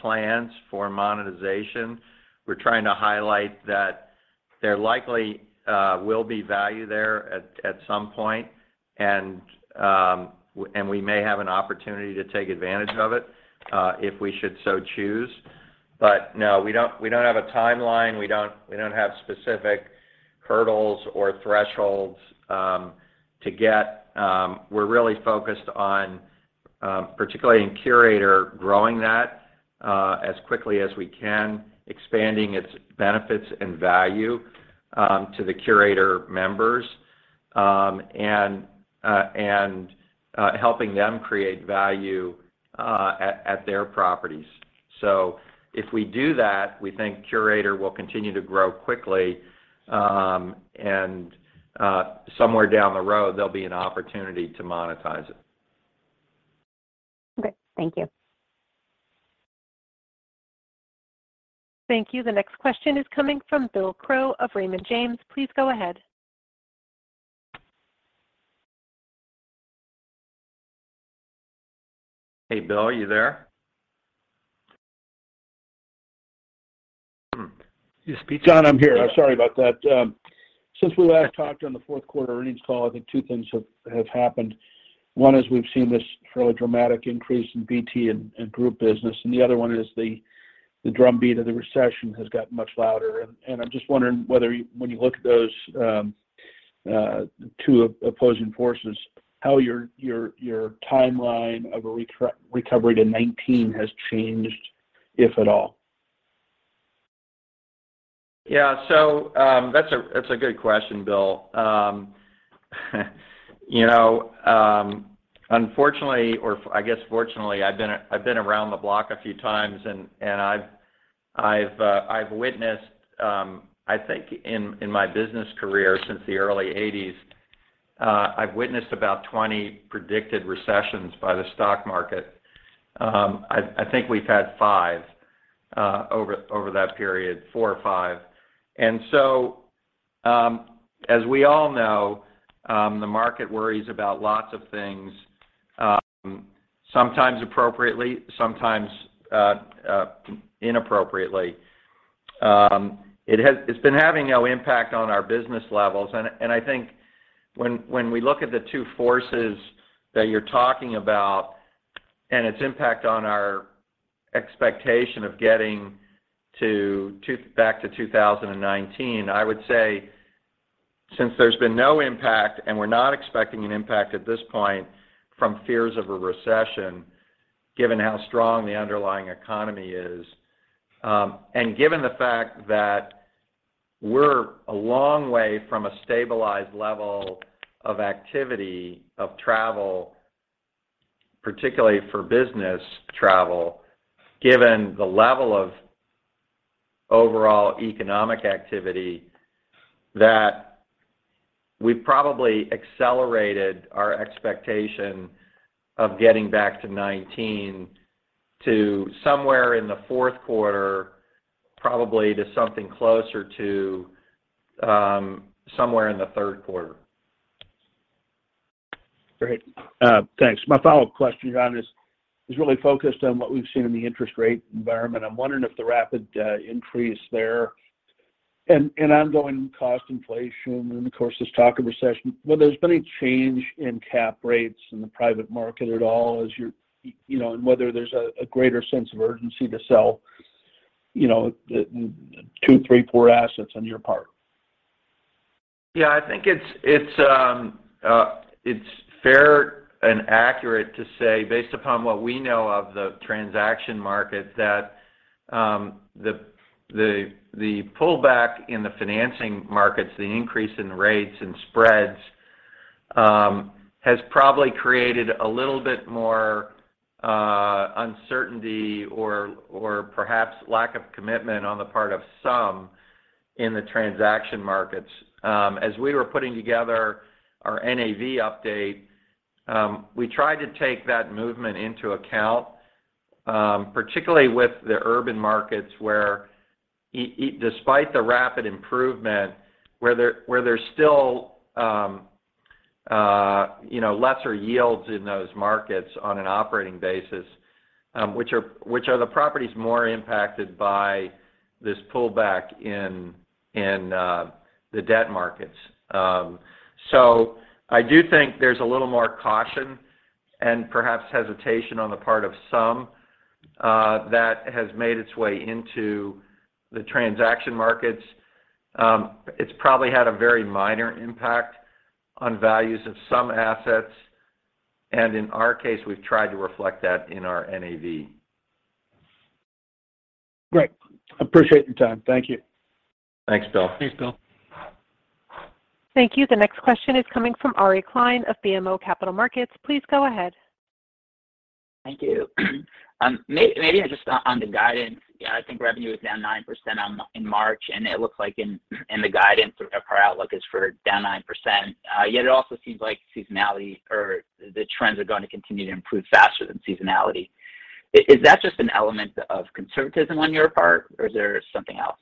plans for monetization. We're trying to highlight that there likely will be value there at some point. We may have an opportunity to take advantage of it, if we should so choose. No, we don't have a timeline. We don't have specific hurdles or thresholds to get. We're really focused on, particularly in Curator, growing that as quickly as we can, expanding its benefits and value to the Curator members, and helping them create value at their properties. If we do that, we think Curator will continue to grow quickly. Somewhere down the road, there'll be an opportunity to monetize it.
Okay. Thank you.
Thank you. The next question is coming from Bill Crow of Raymond James. Please go ahead.
Hey, Bill, are you there? You speak-
Jon, I'm here.
Yeah.
I'm sorry about that. Since we last talked on the fourth quarter earnings call, I think two things have happened. One is we've seen this fairly dramatic increase in BT and group business, and the other one is the drumbeat of the recession has gotten much louder. I'm just wondering whether you, when you look at those two opposing forces, how your timeline of a recovery to 2019 has changed, if at all?
That's a good question, Bill. You know, unfortunately, I guess fortunately, I've been around the block a few times and I've witnessed, I think, in my business career since the early 1980s, about 20 predicted recessions by the stock market. I think we've had five over that period, four or five. As we all know, the market worries about lots of things, sometimes appropriately, sometimes inappropriately. It's been having no impact on our business levels. I think when we look at the two forces that you're talking about and its impact on our expectation of getting to back to 2019, I would say since there's been no impact, and we're not expecting an impact at this point from fears of a recession, given how strong the underlying economy is, and given the fact that we're a long way from a stabilized level of activity of travel, particularly for business travel, given the level of overall economic activity, that we probably accelerated our expectation of getting back to 2019 to somewhere in the fourth quarter, probably to something closer to somewhere in the third quarter.
Great. Thanks. My follow-up question, Jon, is really focused on what we've seen in the interest rate environment. I'm wondering if the rapid increase there and ongoing cost inflation and, of course, this talk of recession, whether there's been a change in cap rates in the private market at all as you're, you know, and whether there's a greater sense of urgency to sell, you know, the two, three, four assets on your part.
Yeah, I think it's fair and accurate to say based upon what we know of the transaction market, that the pullback in the financing markets, the increase in rates and spreads, has probably created a little bit more uncertainty or perhaps lack of commitment on the part of some in the transaction markets. As we were putting together our NAV update, we tried to take that movement into account, particularly with the urban markets where despite the rapid improvement where there's still you know lesser yields in those markets on an operating basis, which are the properties more impacted by this pullback in the debt markets. I do think there's a little more caution and perhaps hesitation on the part of some that has made its way into the transaction markets. It's probably had a very minor impact on values of some assets, and in our case, we've tried to reflect that in our NAV.
Great. Appreciate your time. Thank you.
Thanks, Bill.
Thanks, Bill.
Thank you. The next question is coming from Ari Klein of BMO Capital Markets. Please go ahead.
Thank you. Maybe just on the guidance. Yeah, I think revenue is down 9% in March, and it looks like in the guidance or our outlook is for down 9%. Yet it also seems like seasonality or the trends are going to continue to improve faster than seasonality. Is that just an element of conservatism on your part, or is there something else?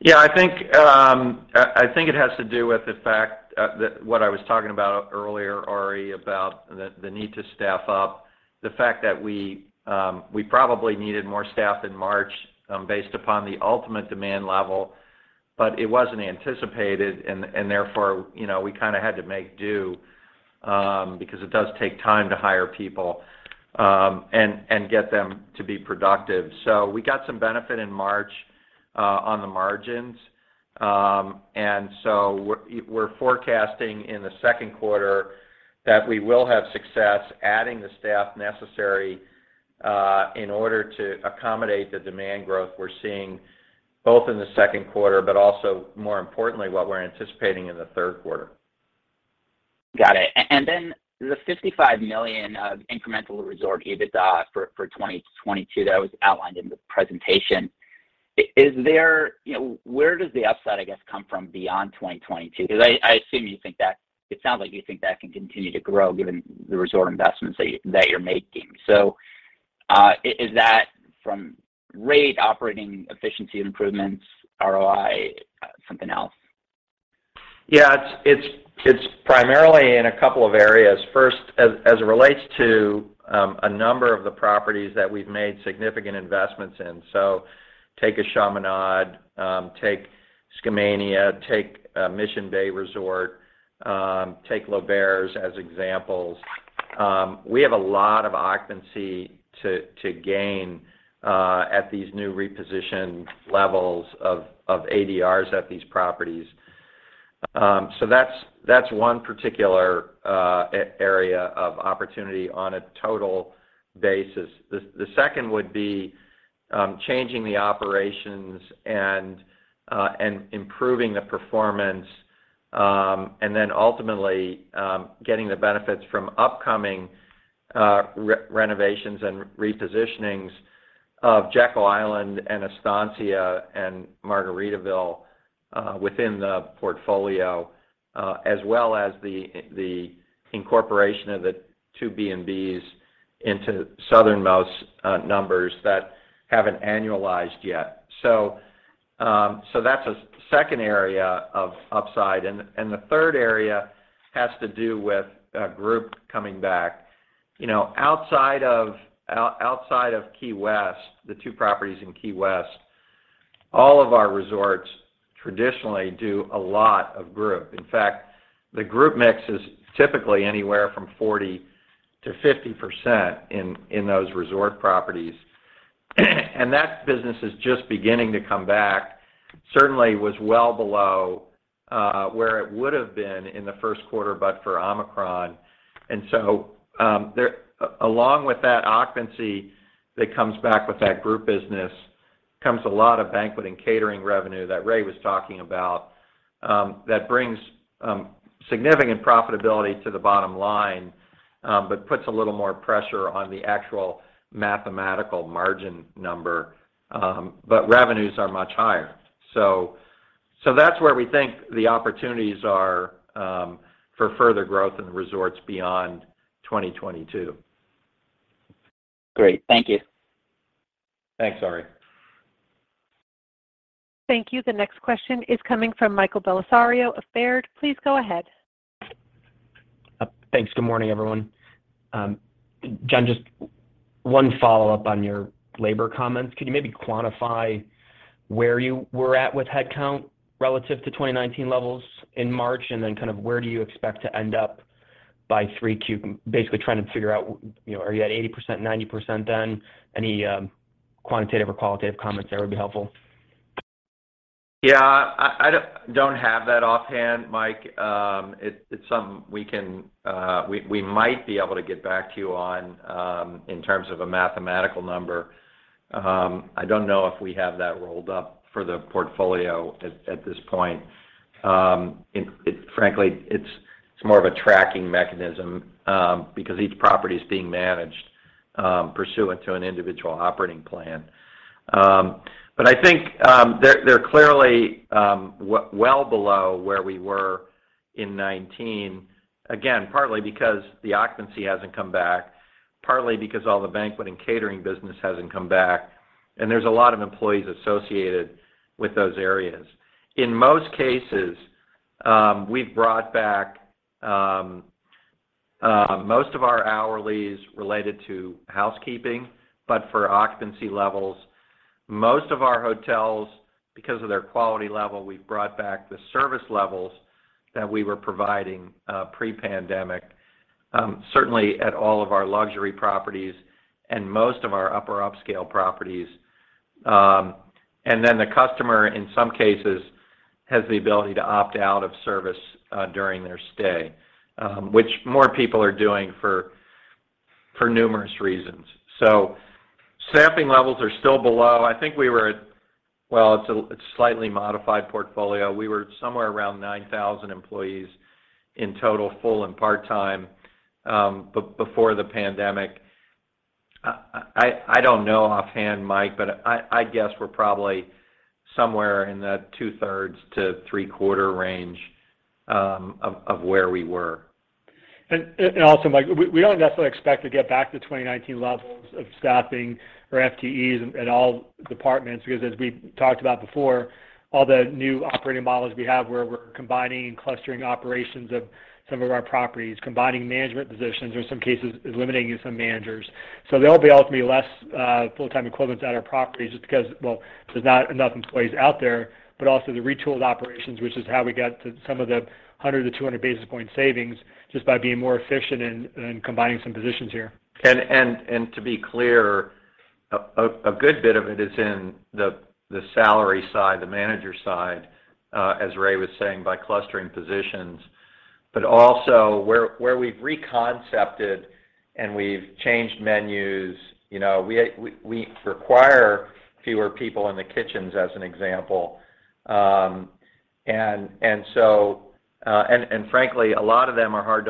Yeah, I think it has to do with the fact that what I was talking about earlier, Ari, about the need to staff up. The fact that we probably needed more staff in March, based upon the ultimate demand level, but it wasn't anticipated and therefore, you know, we kinda had to make do, because it does take time to hire people, and get them to be productive. We got some benefit in March, on the margins. We're forecasting in the second quarter that we will have success adding the staff necessary, in order to accommodate the demand growth we're seeing both in the second quarter, but also more importantly, what we're anticipating in the third quarter.
Got it. And then the $55 million of incremental resort EBITDA for 2022 that was outlined in the presentation. Is there? You know, where does the upside, I guess, come from beyond 2022? Because I assume you think that. It sounds like you think that can continue to grow given the resort investments that you're making. Is that from rate operating efficiency improvements, ROI, something else?
It's primarily in a couple of areas. First, as it relates to a number of the properties that we've made significant investments in. Take Chaminade, take Skamania, take Mission Bay Resort, take L'Auberge as examples. We have a lot of occupancy to gain at these new repositioned levels of ADRs at these properties. That's one particular area of opportunity on a total basis. The second would be changing the operations and improving the performance, and then ultimately getting the benefits from upcoming renovations and repositionings of Jekyll Island, and Estancia, and Margaritaville within the portfolio, as well as the incorporation of the two B&Bs into Southernmost numbers that haven't annualized yet. That's a second area of upside. The third area has to do with group coming back. You know, outside of Key West, the two properties in Key West, all of our resorts traditionally do a lot of group. In fact, the group mix is typically anywhere from 40%-50% in those resort properties. That business is just beginning to come back. Certainly was well below where it would've been in the first quarter, but for Omicron. Along with that occupancy that comes back with that group business, comes a lot of banquet and catering revenue that Ray was talking about that brings significant profitability to the bottom line, but puts a little more pressure on the actual mathematical margin number. But revenues are much higher. That's where we think the opportunities are for further growth in the resorts beyond 2022.
Great. Thank you.
Thanks, Ari.
Thank you. The next question is coming from Michael Bellisario of Baird. Please go ahead.
Thanks. Good morning, everyone. Jon, just one follow-up on your labor comments. Could you maybe quantify where you were at with headcount relative to 2019 levels in March? Then kind of where do you expect to end up by 3Q? Basically trying to figure out, you know, are you at 80%, 90% done? Any quantitative or qualitative comments there would be helpful.
Yeah. I don't have that offhand, Mike. It's something we might be able to get back to you on, in terms of a mathematical number. I don't know if we have that rolled up for the portfolio at this point. Frankly, it's more of a tracking mechanism, because each property is being managed pursuant to an individual operating plan. I think they're clearly well below where we were in 2019, again, partly because the occupancy hasn't come back, partly because all the banqueting catering business hasn't come back, and there's a lot of employees associated with those areas. In most cases, we've brought back most of our hourlies related to housekeeping, but for occupancy levels, most of our hotels, because of their quality level, we've brought back the service levels that we were providing pre-pandemic, certainly at all of our luxury properties and most of our upper upscale properties. Then the customer, in some cases, has the ability to opt out of service during their stay, which more people are doing for numerous reasons. Staffing levels are still below. Well, it's a slightly modified portfolio. We were somewhere around 9,000 employees in total, full and part-time before the pandemic. I don't know offhand, Mike, but I'd guess we're probably somewhere in that 2/3 to three-quarter range of where we were.
Also, Mike, we don't necessarily expect to get back to 2019 levels of staffing or FTEs in all departments, because as we talked about before, all the new operating models we have where we're combining and clustering operations of some of our properties, combining management positions, or in some cases, eliminating some managers. There'll be ultimately less full-time equivalents at our properties just because, well, there's not enough employees out there, but also the retooled operations, which is how we got to some of the 100-200 basis point savings just by being more efficient in combining some positions here.
To be clear, a good bit of it is in the salary side, the manager side, as Ray was saying, by clustering positions. Also where we've reconcepted and we've changed menus, you know, we require fewer people in the kitchens as an example. Frankly, a lot of them are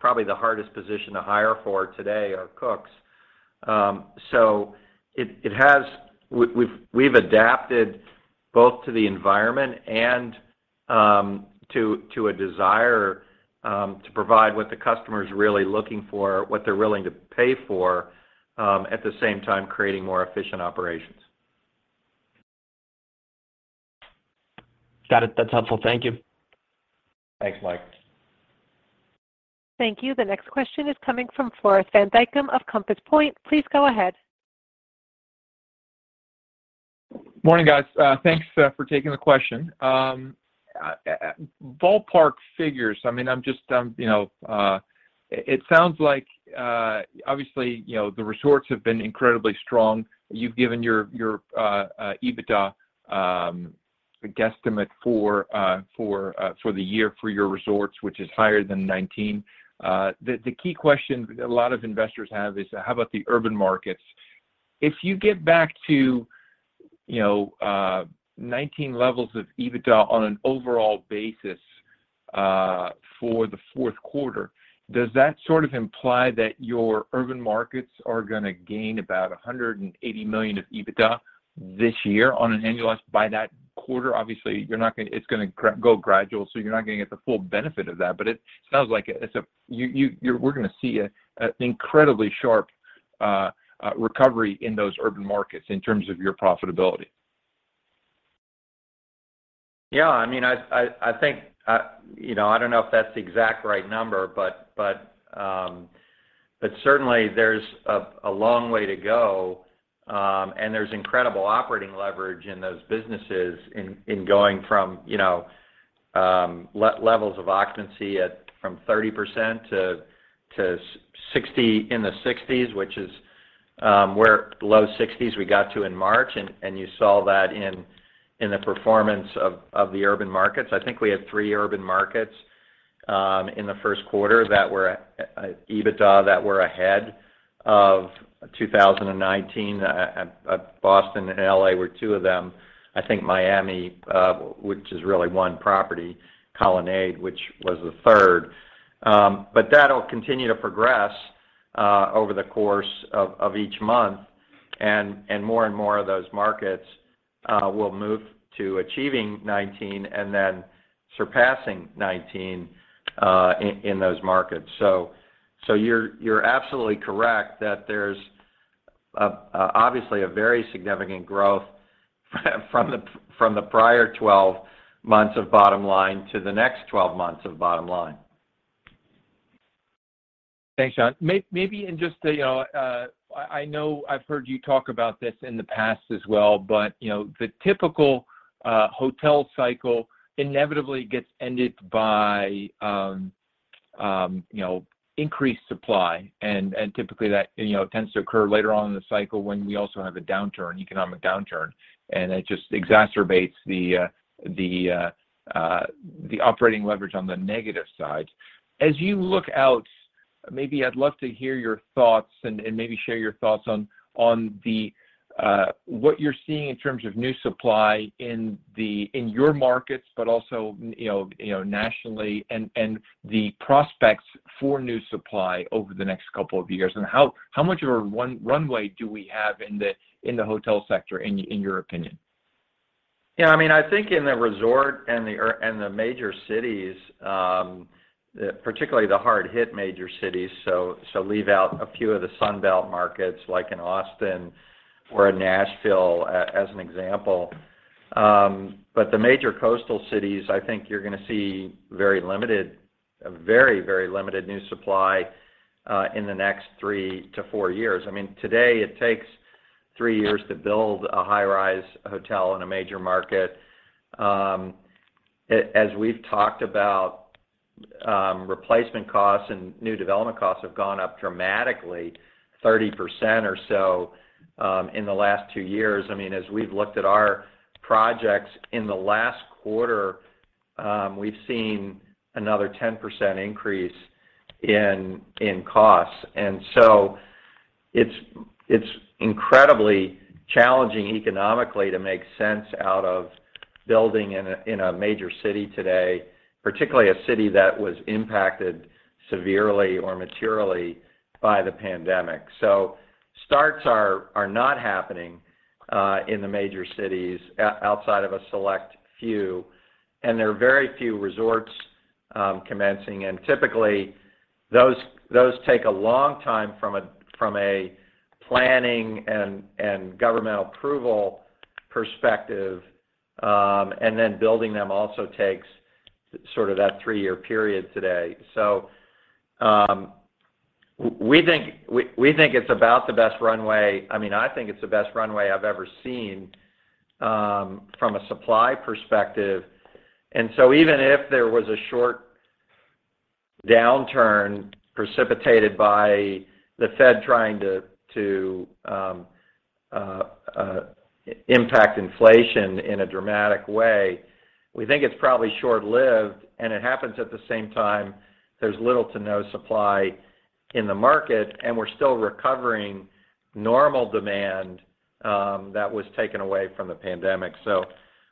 probably the hardest position to hire for today are cooks. So it has. We've adapted both to the environment and to a desire to provide what the customer is really looking for, what they're willing to pay for, at the same time, creating more efficient operations.
Got it. That's helpful. Thank you.
Thanks, Mike.
Thank you. The next question is coming from Floris van Dijkum of Compass Point. Please go ahead.
Morning, guys. Thanks for taking the question. Ballpark figures. I mean, I'm just, you know, it sounds like, obviously, you know, the resorts have been incredibly strong. You've given your EBITDA guesstimate for the year for your resorts, which is higher than 2019. The key question a lot of investors have is how about the urban markets? If you get back to, you know, 2019 levels of EBITDA on an overall basis, for the fourth quarter, does that sort of imply that your urban markets are gonna gain about $180 million of EBITDA this year on an annualized basis by that quarter? Obviously, you're not gonna—it's gonna go gradual, so you're not gonna get the full benefit of that. It sounds like we're gonna see an incredibly sharp recovery in those urban markets in terms of your profitability.
I mean, I think, you know, I don't know if that's the exact right number, but certainly there's a long way to go, and there's incredible operating leverage in those businesses in going from levels of occupancy from 30% to 60%, in the 60s%, which is where low 60s% we got to in March, and you saw that in the performance of the urban markets. I think we had three urban markets in the first quarter that were EBITDA that were ahead of 2019. Boston and L.A. were two of them. I think Miami, which is really one property, Colonnade, which was the third. That'll continue to progress over the course of each month and more and more of those markets will move to achieving 19 and then surpassing 19 in those markets. You're absolutely correct that there's obviously a very significant growth from the prior 12 months of bottom line to the next 12 months of bottom line.
Thanks, Jon. I know I've heard you talk about this in the past as well, but you know, the typical hotel cycle inevitably gets ended by you know, increased supply and typically that you know, tends to occur later on in the cycle when we also have a downturn, economic downturn, and it just exacerbates the operating leverage on the negative side. As you look out, maybe I'd love to hear your thoughts and maybe share your thoughts on what you're seeing in terms of new supply in the In your markets, but also in, you know, nationally and the prospects for new supply over the next couple of years, and how much of a runway do we have in the hotel sector in your opinion?
I mean, I think in the resorts and the major cities, particularly the hard-hit major cities, so leave out a few of the Sun Belt markets like in Austin or in Nashville, as an example. But the major coastal cities, I think you're gonna see very, very limited new supply, in the next three to four years. I mean, today it takes three years to build a high-rise hotel in a major market. As we've talked about, replacement costs and new development costs have gone up dramatically 30% or so, in the last two years. I mean, as we've looked at our projects in the last quarter, we've seen another 10% increase in costs. It's incredibly challenging economically to make sense out of building in a major city today, particularly a city that was impacted severely or materially by the pandemic. Starts are not happening in the major cities outside of a select few, and there are very few resorts commencing. Typically, those take a long time from a planning and governmental approval perspective, and then building them also takes sort of that three-year period today. We think it's about the best runway. I mean, I think it's the best runway I've ever seen from a supply perspective. Even if there was a short downturn precipitated by the Fed trying to impact inflation in a dramatic way, we think it's probably short-lived, and it happens at the same time there's little to no supply in the market, and we're still recovering normal demand that was taken away from the pandemic.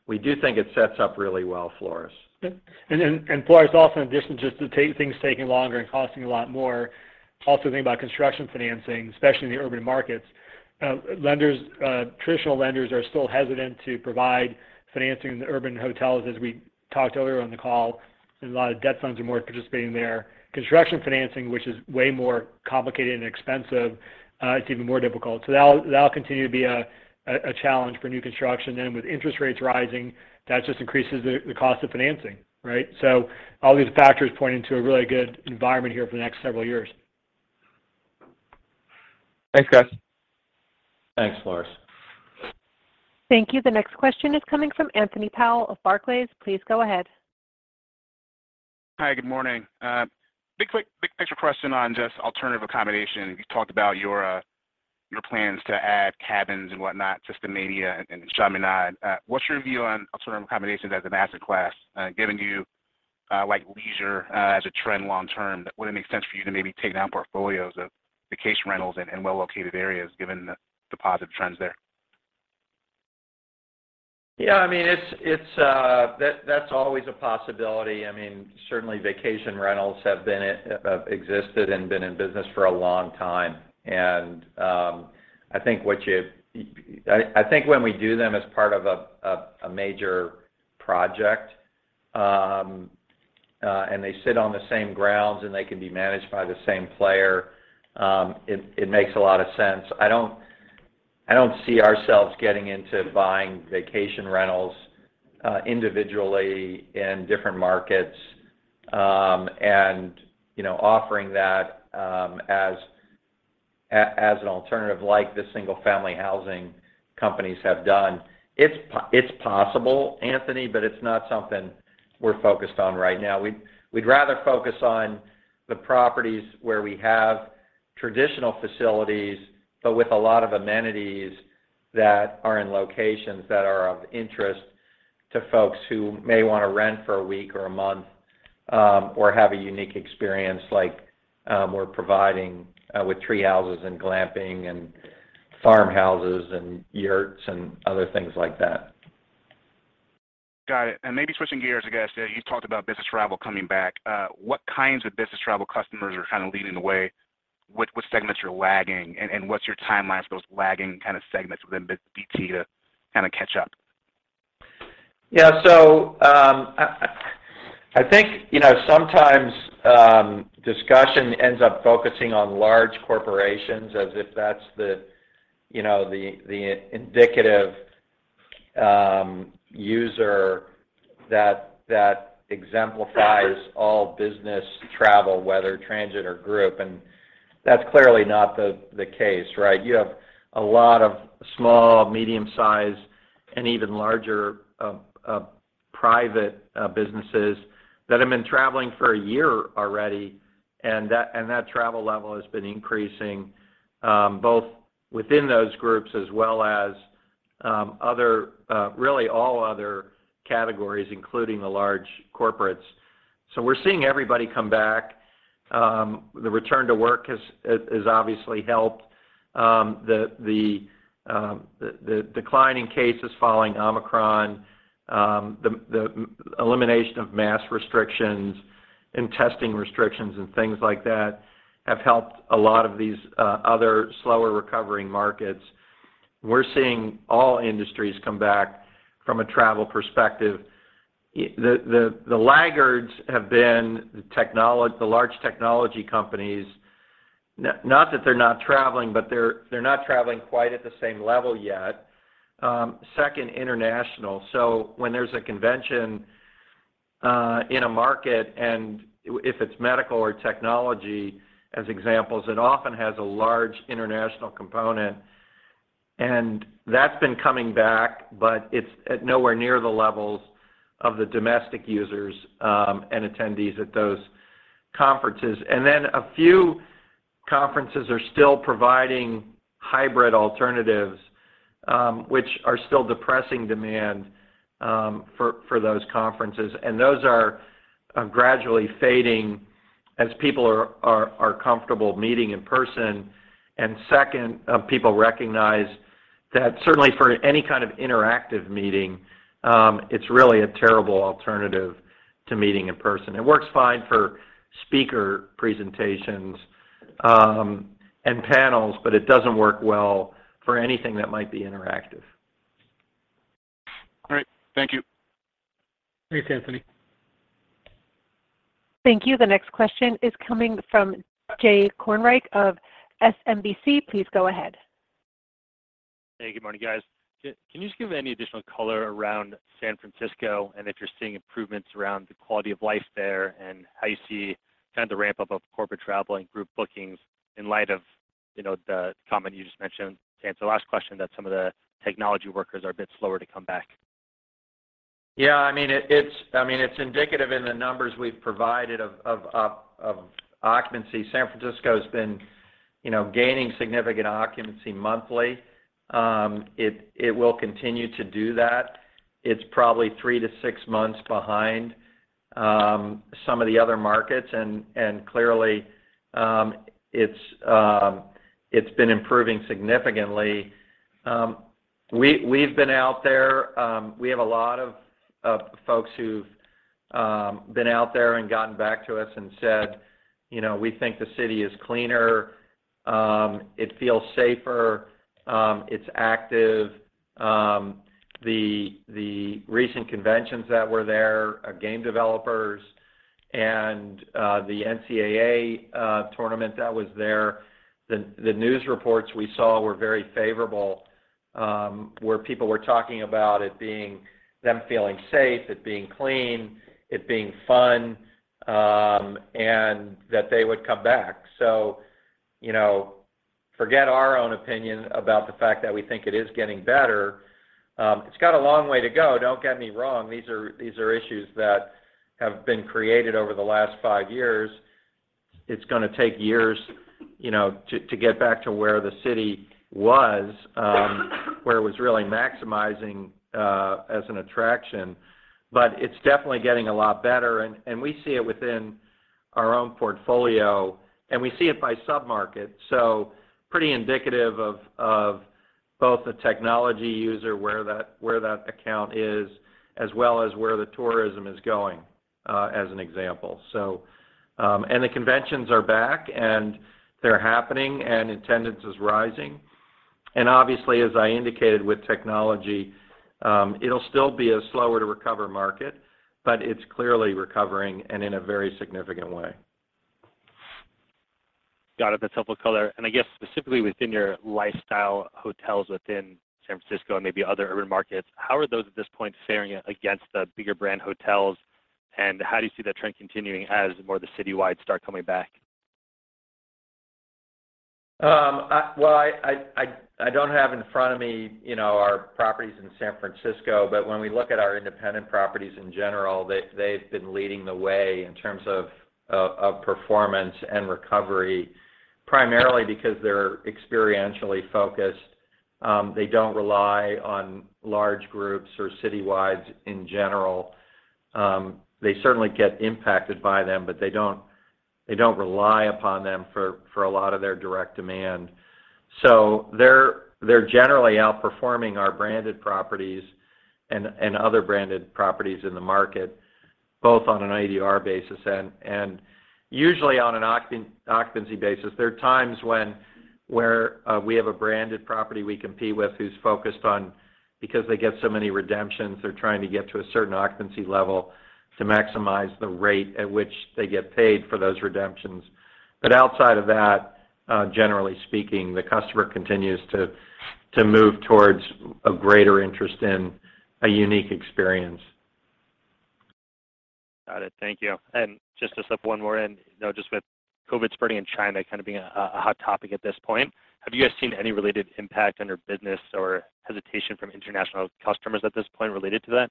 We do think it sets up really well, Floris.
Okay. Floris, also in addition just to take things taking longer and costing a lot more, also think about construction financing, especially in the urban markets. Lenders, traditional lenders are still hesitant to provide financing in the urban hotels, as we talked earlier on the call, and a lot of debt funds are more participating there. Construction financing, which is way more complicated and expensive, it's even more difficult. That'll continue to be a challenge for new construction. With interest rates rising, that just increases the cost of financing, right? All these factors point into a really good environment here for the next several years.
Thanks, guys.
Thanks, Floris.
Thank you. The next question is coming from Anthony Powell of Barclays. Please go ahead.
Hi, good morning. Big picture question on just alternative accommodation. You talked about your plans to add cabins and whatnot to Skamania and Chaminade. What's your view on alternative accommodations as an asset class, given you like leisure as a trend long term? Would it make sense for you to maybe take down portfolios of vacation rentals in well located areas given the positive trends there?
Yeah, I mean, it's. That's always a possibility. I mean, certainly vacation rentals have existed and been in business for a long time. I think when we do them as part of a major project, and they sit on the same grounds, and they can be managed by the same player, it makes a lot of sense. I don't see ourselves getting into buying vacation rentals individually in different markets, and, you know, offering that as an alternative like the single-family housing companies have done. It's possible, Anthony, but it's not something we're focused on right now. We'd rather focus on the properties where we have traditional facilities, but with a lot of amenities that are in locations that are of interest to folks who may wanna rent for a week or a month, or have a unique experience like we're providing with tree houses and glamping and farmhouses and yurts and other things like that.
Got it. Maybe switching gears, I guess, you talked about business travel coming back. What kinds of business travel customers are kind of leading the way? Which segments are lagging, and what's your timeline for those lagging kind of segments within BT to kind of catch up?
I think, you know, sometimes discussion ends up focusing on large corporations as if that's the indicative user that exemplifies all business travel, whether transient or group, and that's clearly not the case, right? You have a lot of small, medium-sized and even larger private businesses that have been traveling for a year already, and that travel level has been increasing both within those groups as well as other really all other categories, including the large corporates. We're seeing everybody come back. The return to work has obviously helped. The decline in cases following Omicron, the elimination of mask restrictions and testing restrictions and things like that have helped a lot of these other slower recovering markets. We're seeing all industries come back from a travel perspective. The laggards have been the large technology companies. Not that they're not traveling, but they're not traveling quite at the same level yet. Second, international. So when there's a convention in a market, and if it's medical or technology as examples, it often has a large international component, and that's been coming back, but it's at nowhere near the levels of the domestic users and attendees at those conferences. Those are gradually fading as people are comfortable meeting in person. Second, people recognize that certainly for any kind of interactive meeting, it's really a terrible alternative to meeting in person. It works fine for speaker presentations, and panels, but it doesn't work well for anything that might be interactive.
All right. Thank you.
Thanks, Anthony.
Thank you. The next question is coming from Jay Kornreich of SMBC. Please go ahead.
Hey, good morning, guys. Can you just give any additional color around San Francisco, and if you're seeing improvements around the quality of life there, and how you see kind of the ramp up of corporate travel and group bookings in light of, you know, the comment you just mentioned to answer the last question that some of the technology workers are a bit slower to come back?
Yeah, I mean, it's indicative in the numbers we've provided of occupancy. San Francisco has been, you know, gaining significant occupancy monthly. It will continue to do that. It's probably three to six months behind some of the other markets, and clearly, it's been improving significantly. We've been out there. We have a lot of folks who've been out there and gotten back to us and said, you know, "We think the city is cleaner. It feels safer. It's active. The recent conventions that were there, game developers and the NCAA tournament that was there, the news reports we saw were very favorable, where people were talking about it being them feeling safe, it being clean, it being fun, and that they would come back. You know, forget our own opinion about the fact that we think it is getting better. It's got a long way to go, don't get me wrong. These are issues that have been created over the last five years. It's gonna take years, you know, to get back to where the city was, where it was really maximizing as an attraction. It's definitely getting a lot better, and we see it within our own portfolio, and we see it by sub-market. Pretty indicative of both the technology sector, where that market is, as well as where the tourism is going, as an example. The conventions are back, and they're happening, and attendance is rising. Obviously, as I indicated with technology, it'll still be a slower to recover market, but it's clearly recovering and in a very significant way.
Got it. That's helpful color. I guess specifically within your lifestyle hotels within San Francisco and maybe other urban markets, how are those at this point faring against the bigger brand hotels, and how do you see that trend continuing as more of the citywide start coming back?
I don't have in front of me, you know, our properties in San Francisco, but when we look at our independent properties in general, they've been leading the way in terms of performance and recovery, primarily because they're experientially focused. They don't rely on large groups or citywides in general. They certainly get impacted by them, but they don't rely upon them for a lot of their direct demand. So they're generally outperforming our branded properties and other branded properties in the market. Both on an ADR basis and usually on an occupancy basis. There are times when we have a branded property we compete with who's focused on because they get so many redemptions, they're trying to get to a certain occupancy level to maximize the rate at which they get paid for those redemptions. Outside of that, generally speaking, the customer continues to move towards a greater interest in a unique experience.
Got it. Thank you. Just to slip one more in, you know, just with COVID spreading in China kind of being a hot topic at this point, have you guys seen any related impact on your business or hesitation from international customers at this point related to that?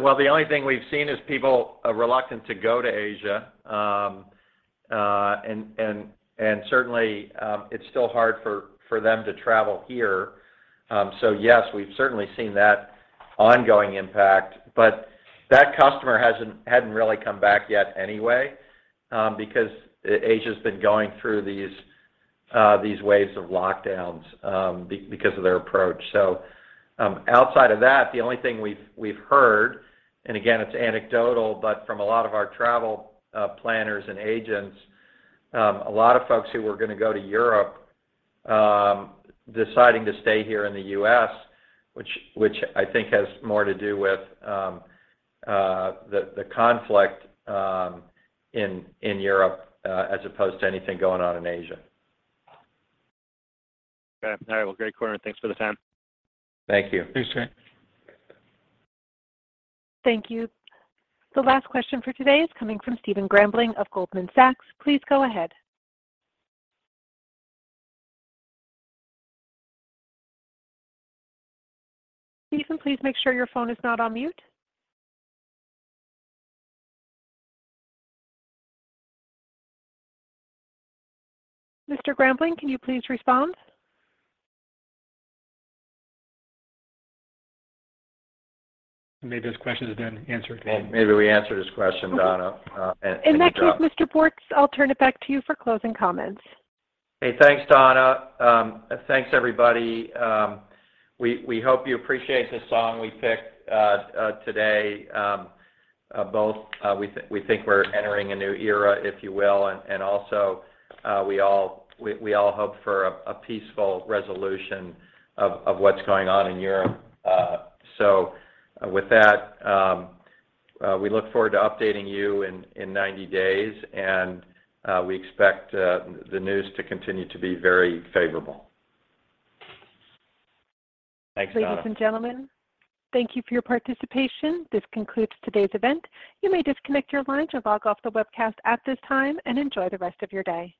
Well, the only thing we've seen is people are reluctant to go to Asia and certainly it's still hard for them to travel here. Yes, we've certainly seen that ongoing impact. But that customer hadn't really come back yet anyway, because Asia's been going through these waves of lockdowns because of their approach. Outside of that, the only thing we've heard, and again, it's anecdotal, but from a lot of our travel planners and agents, a lot of folks who were gonna go to Europe deciding to stay here in the U.S., which I think has more to do with the conflict in Europe as opposed to anything going on in Asia.
Okay. All right. Well, great color. Thanks for the time.
Thank you.
Appreciate it.
Thank you. The last question for today is coming from Stephen Grambling of Goldman Sachs. Please go ahead. Stephen, please make sure your phone is not on mute. Mr. Grambling, can you please respond?
Maybe his question has been answered.
Maybe we answered his question, Donna.
Okay. In that case, Mr. Bortz, I'll turn it back to you for closing comments.
Hey, thanks, Donna. Thanks, everybody. We hope you appreciate the song we picked today, both we think we're entering a new era, if you will, and also we all hope for a peaceful resolution of what's going on in Europe. With that, we look forward to updating you in 90 days, and we expect the news to continue to be very favorable.
Thanks, Donna.
Ladies and gentlemen, thank you for your participation. This concludes today's event. You may disconnect your line or log off the webcast at this time, and enjoy the rest of your day.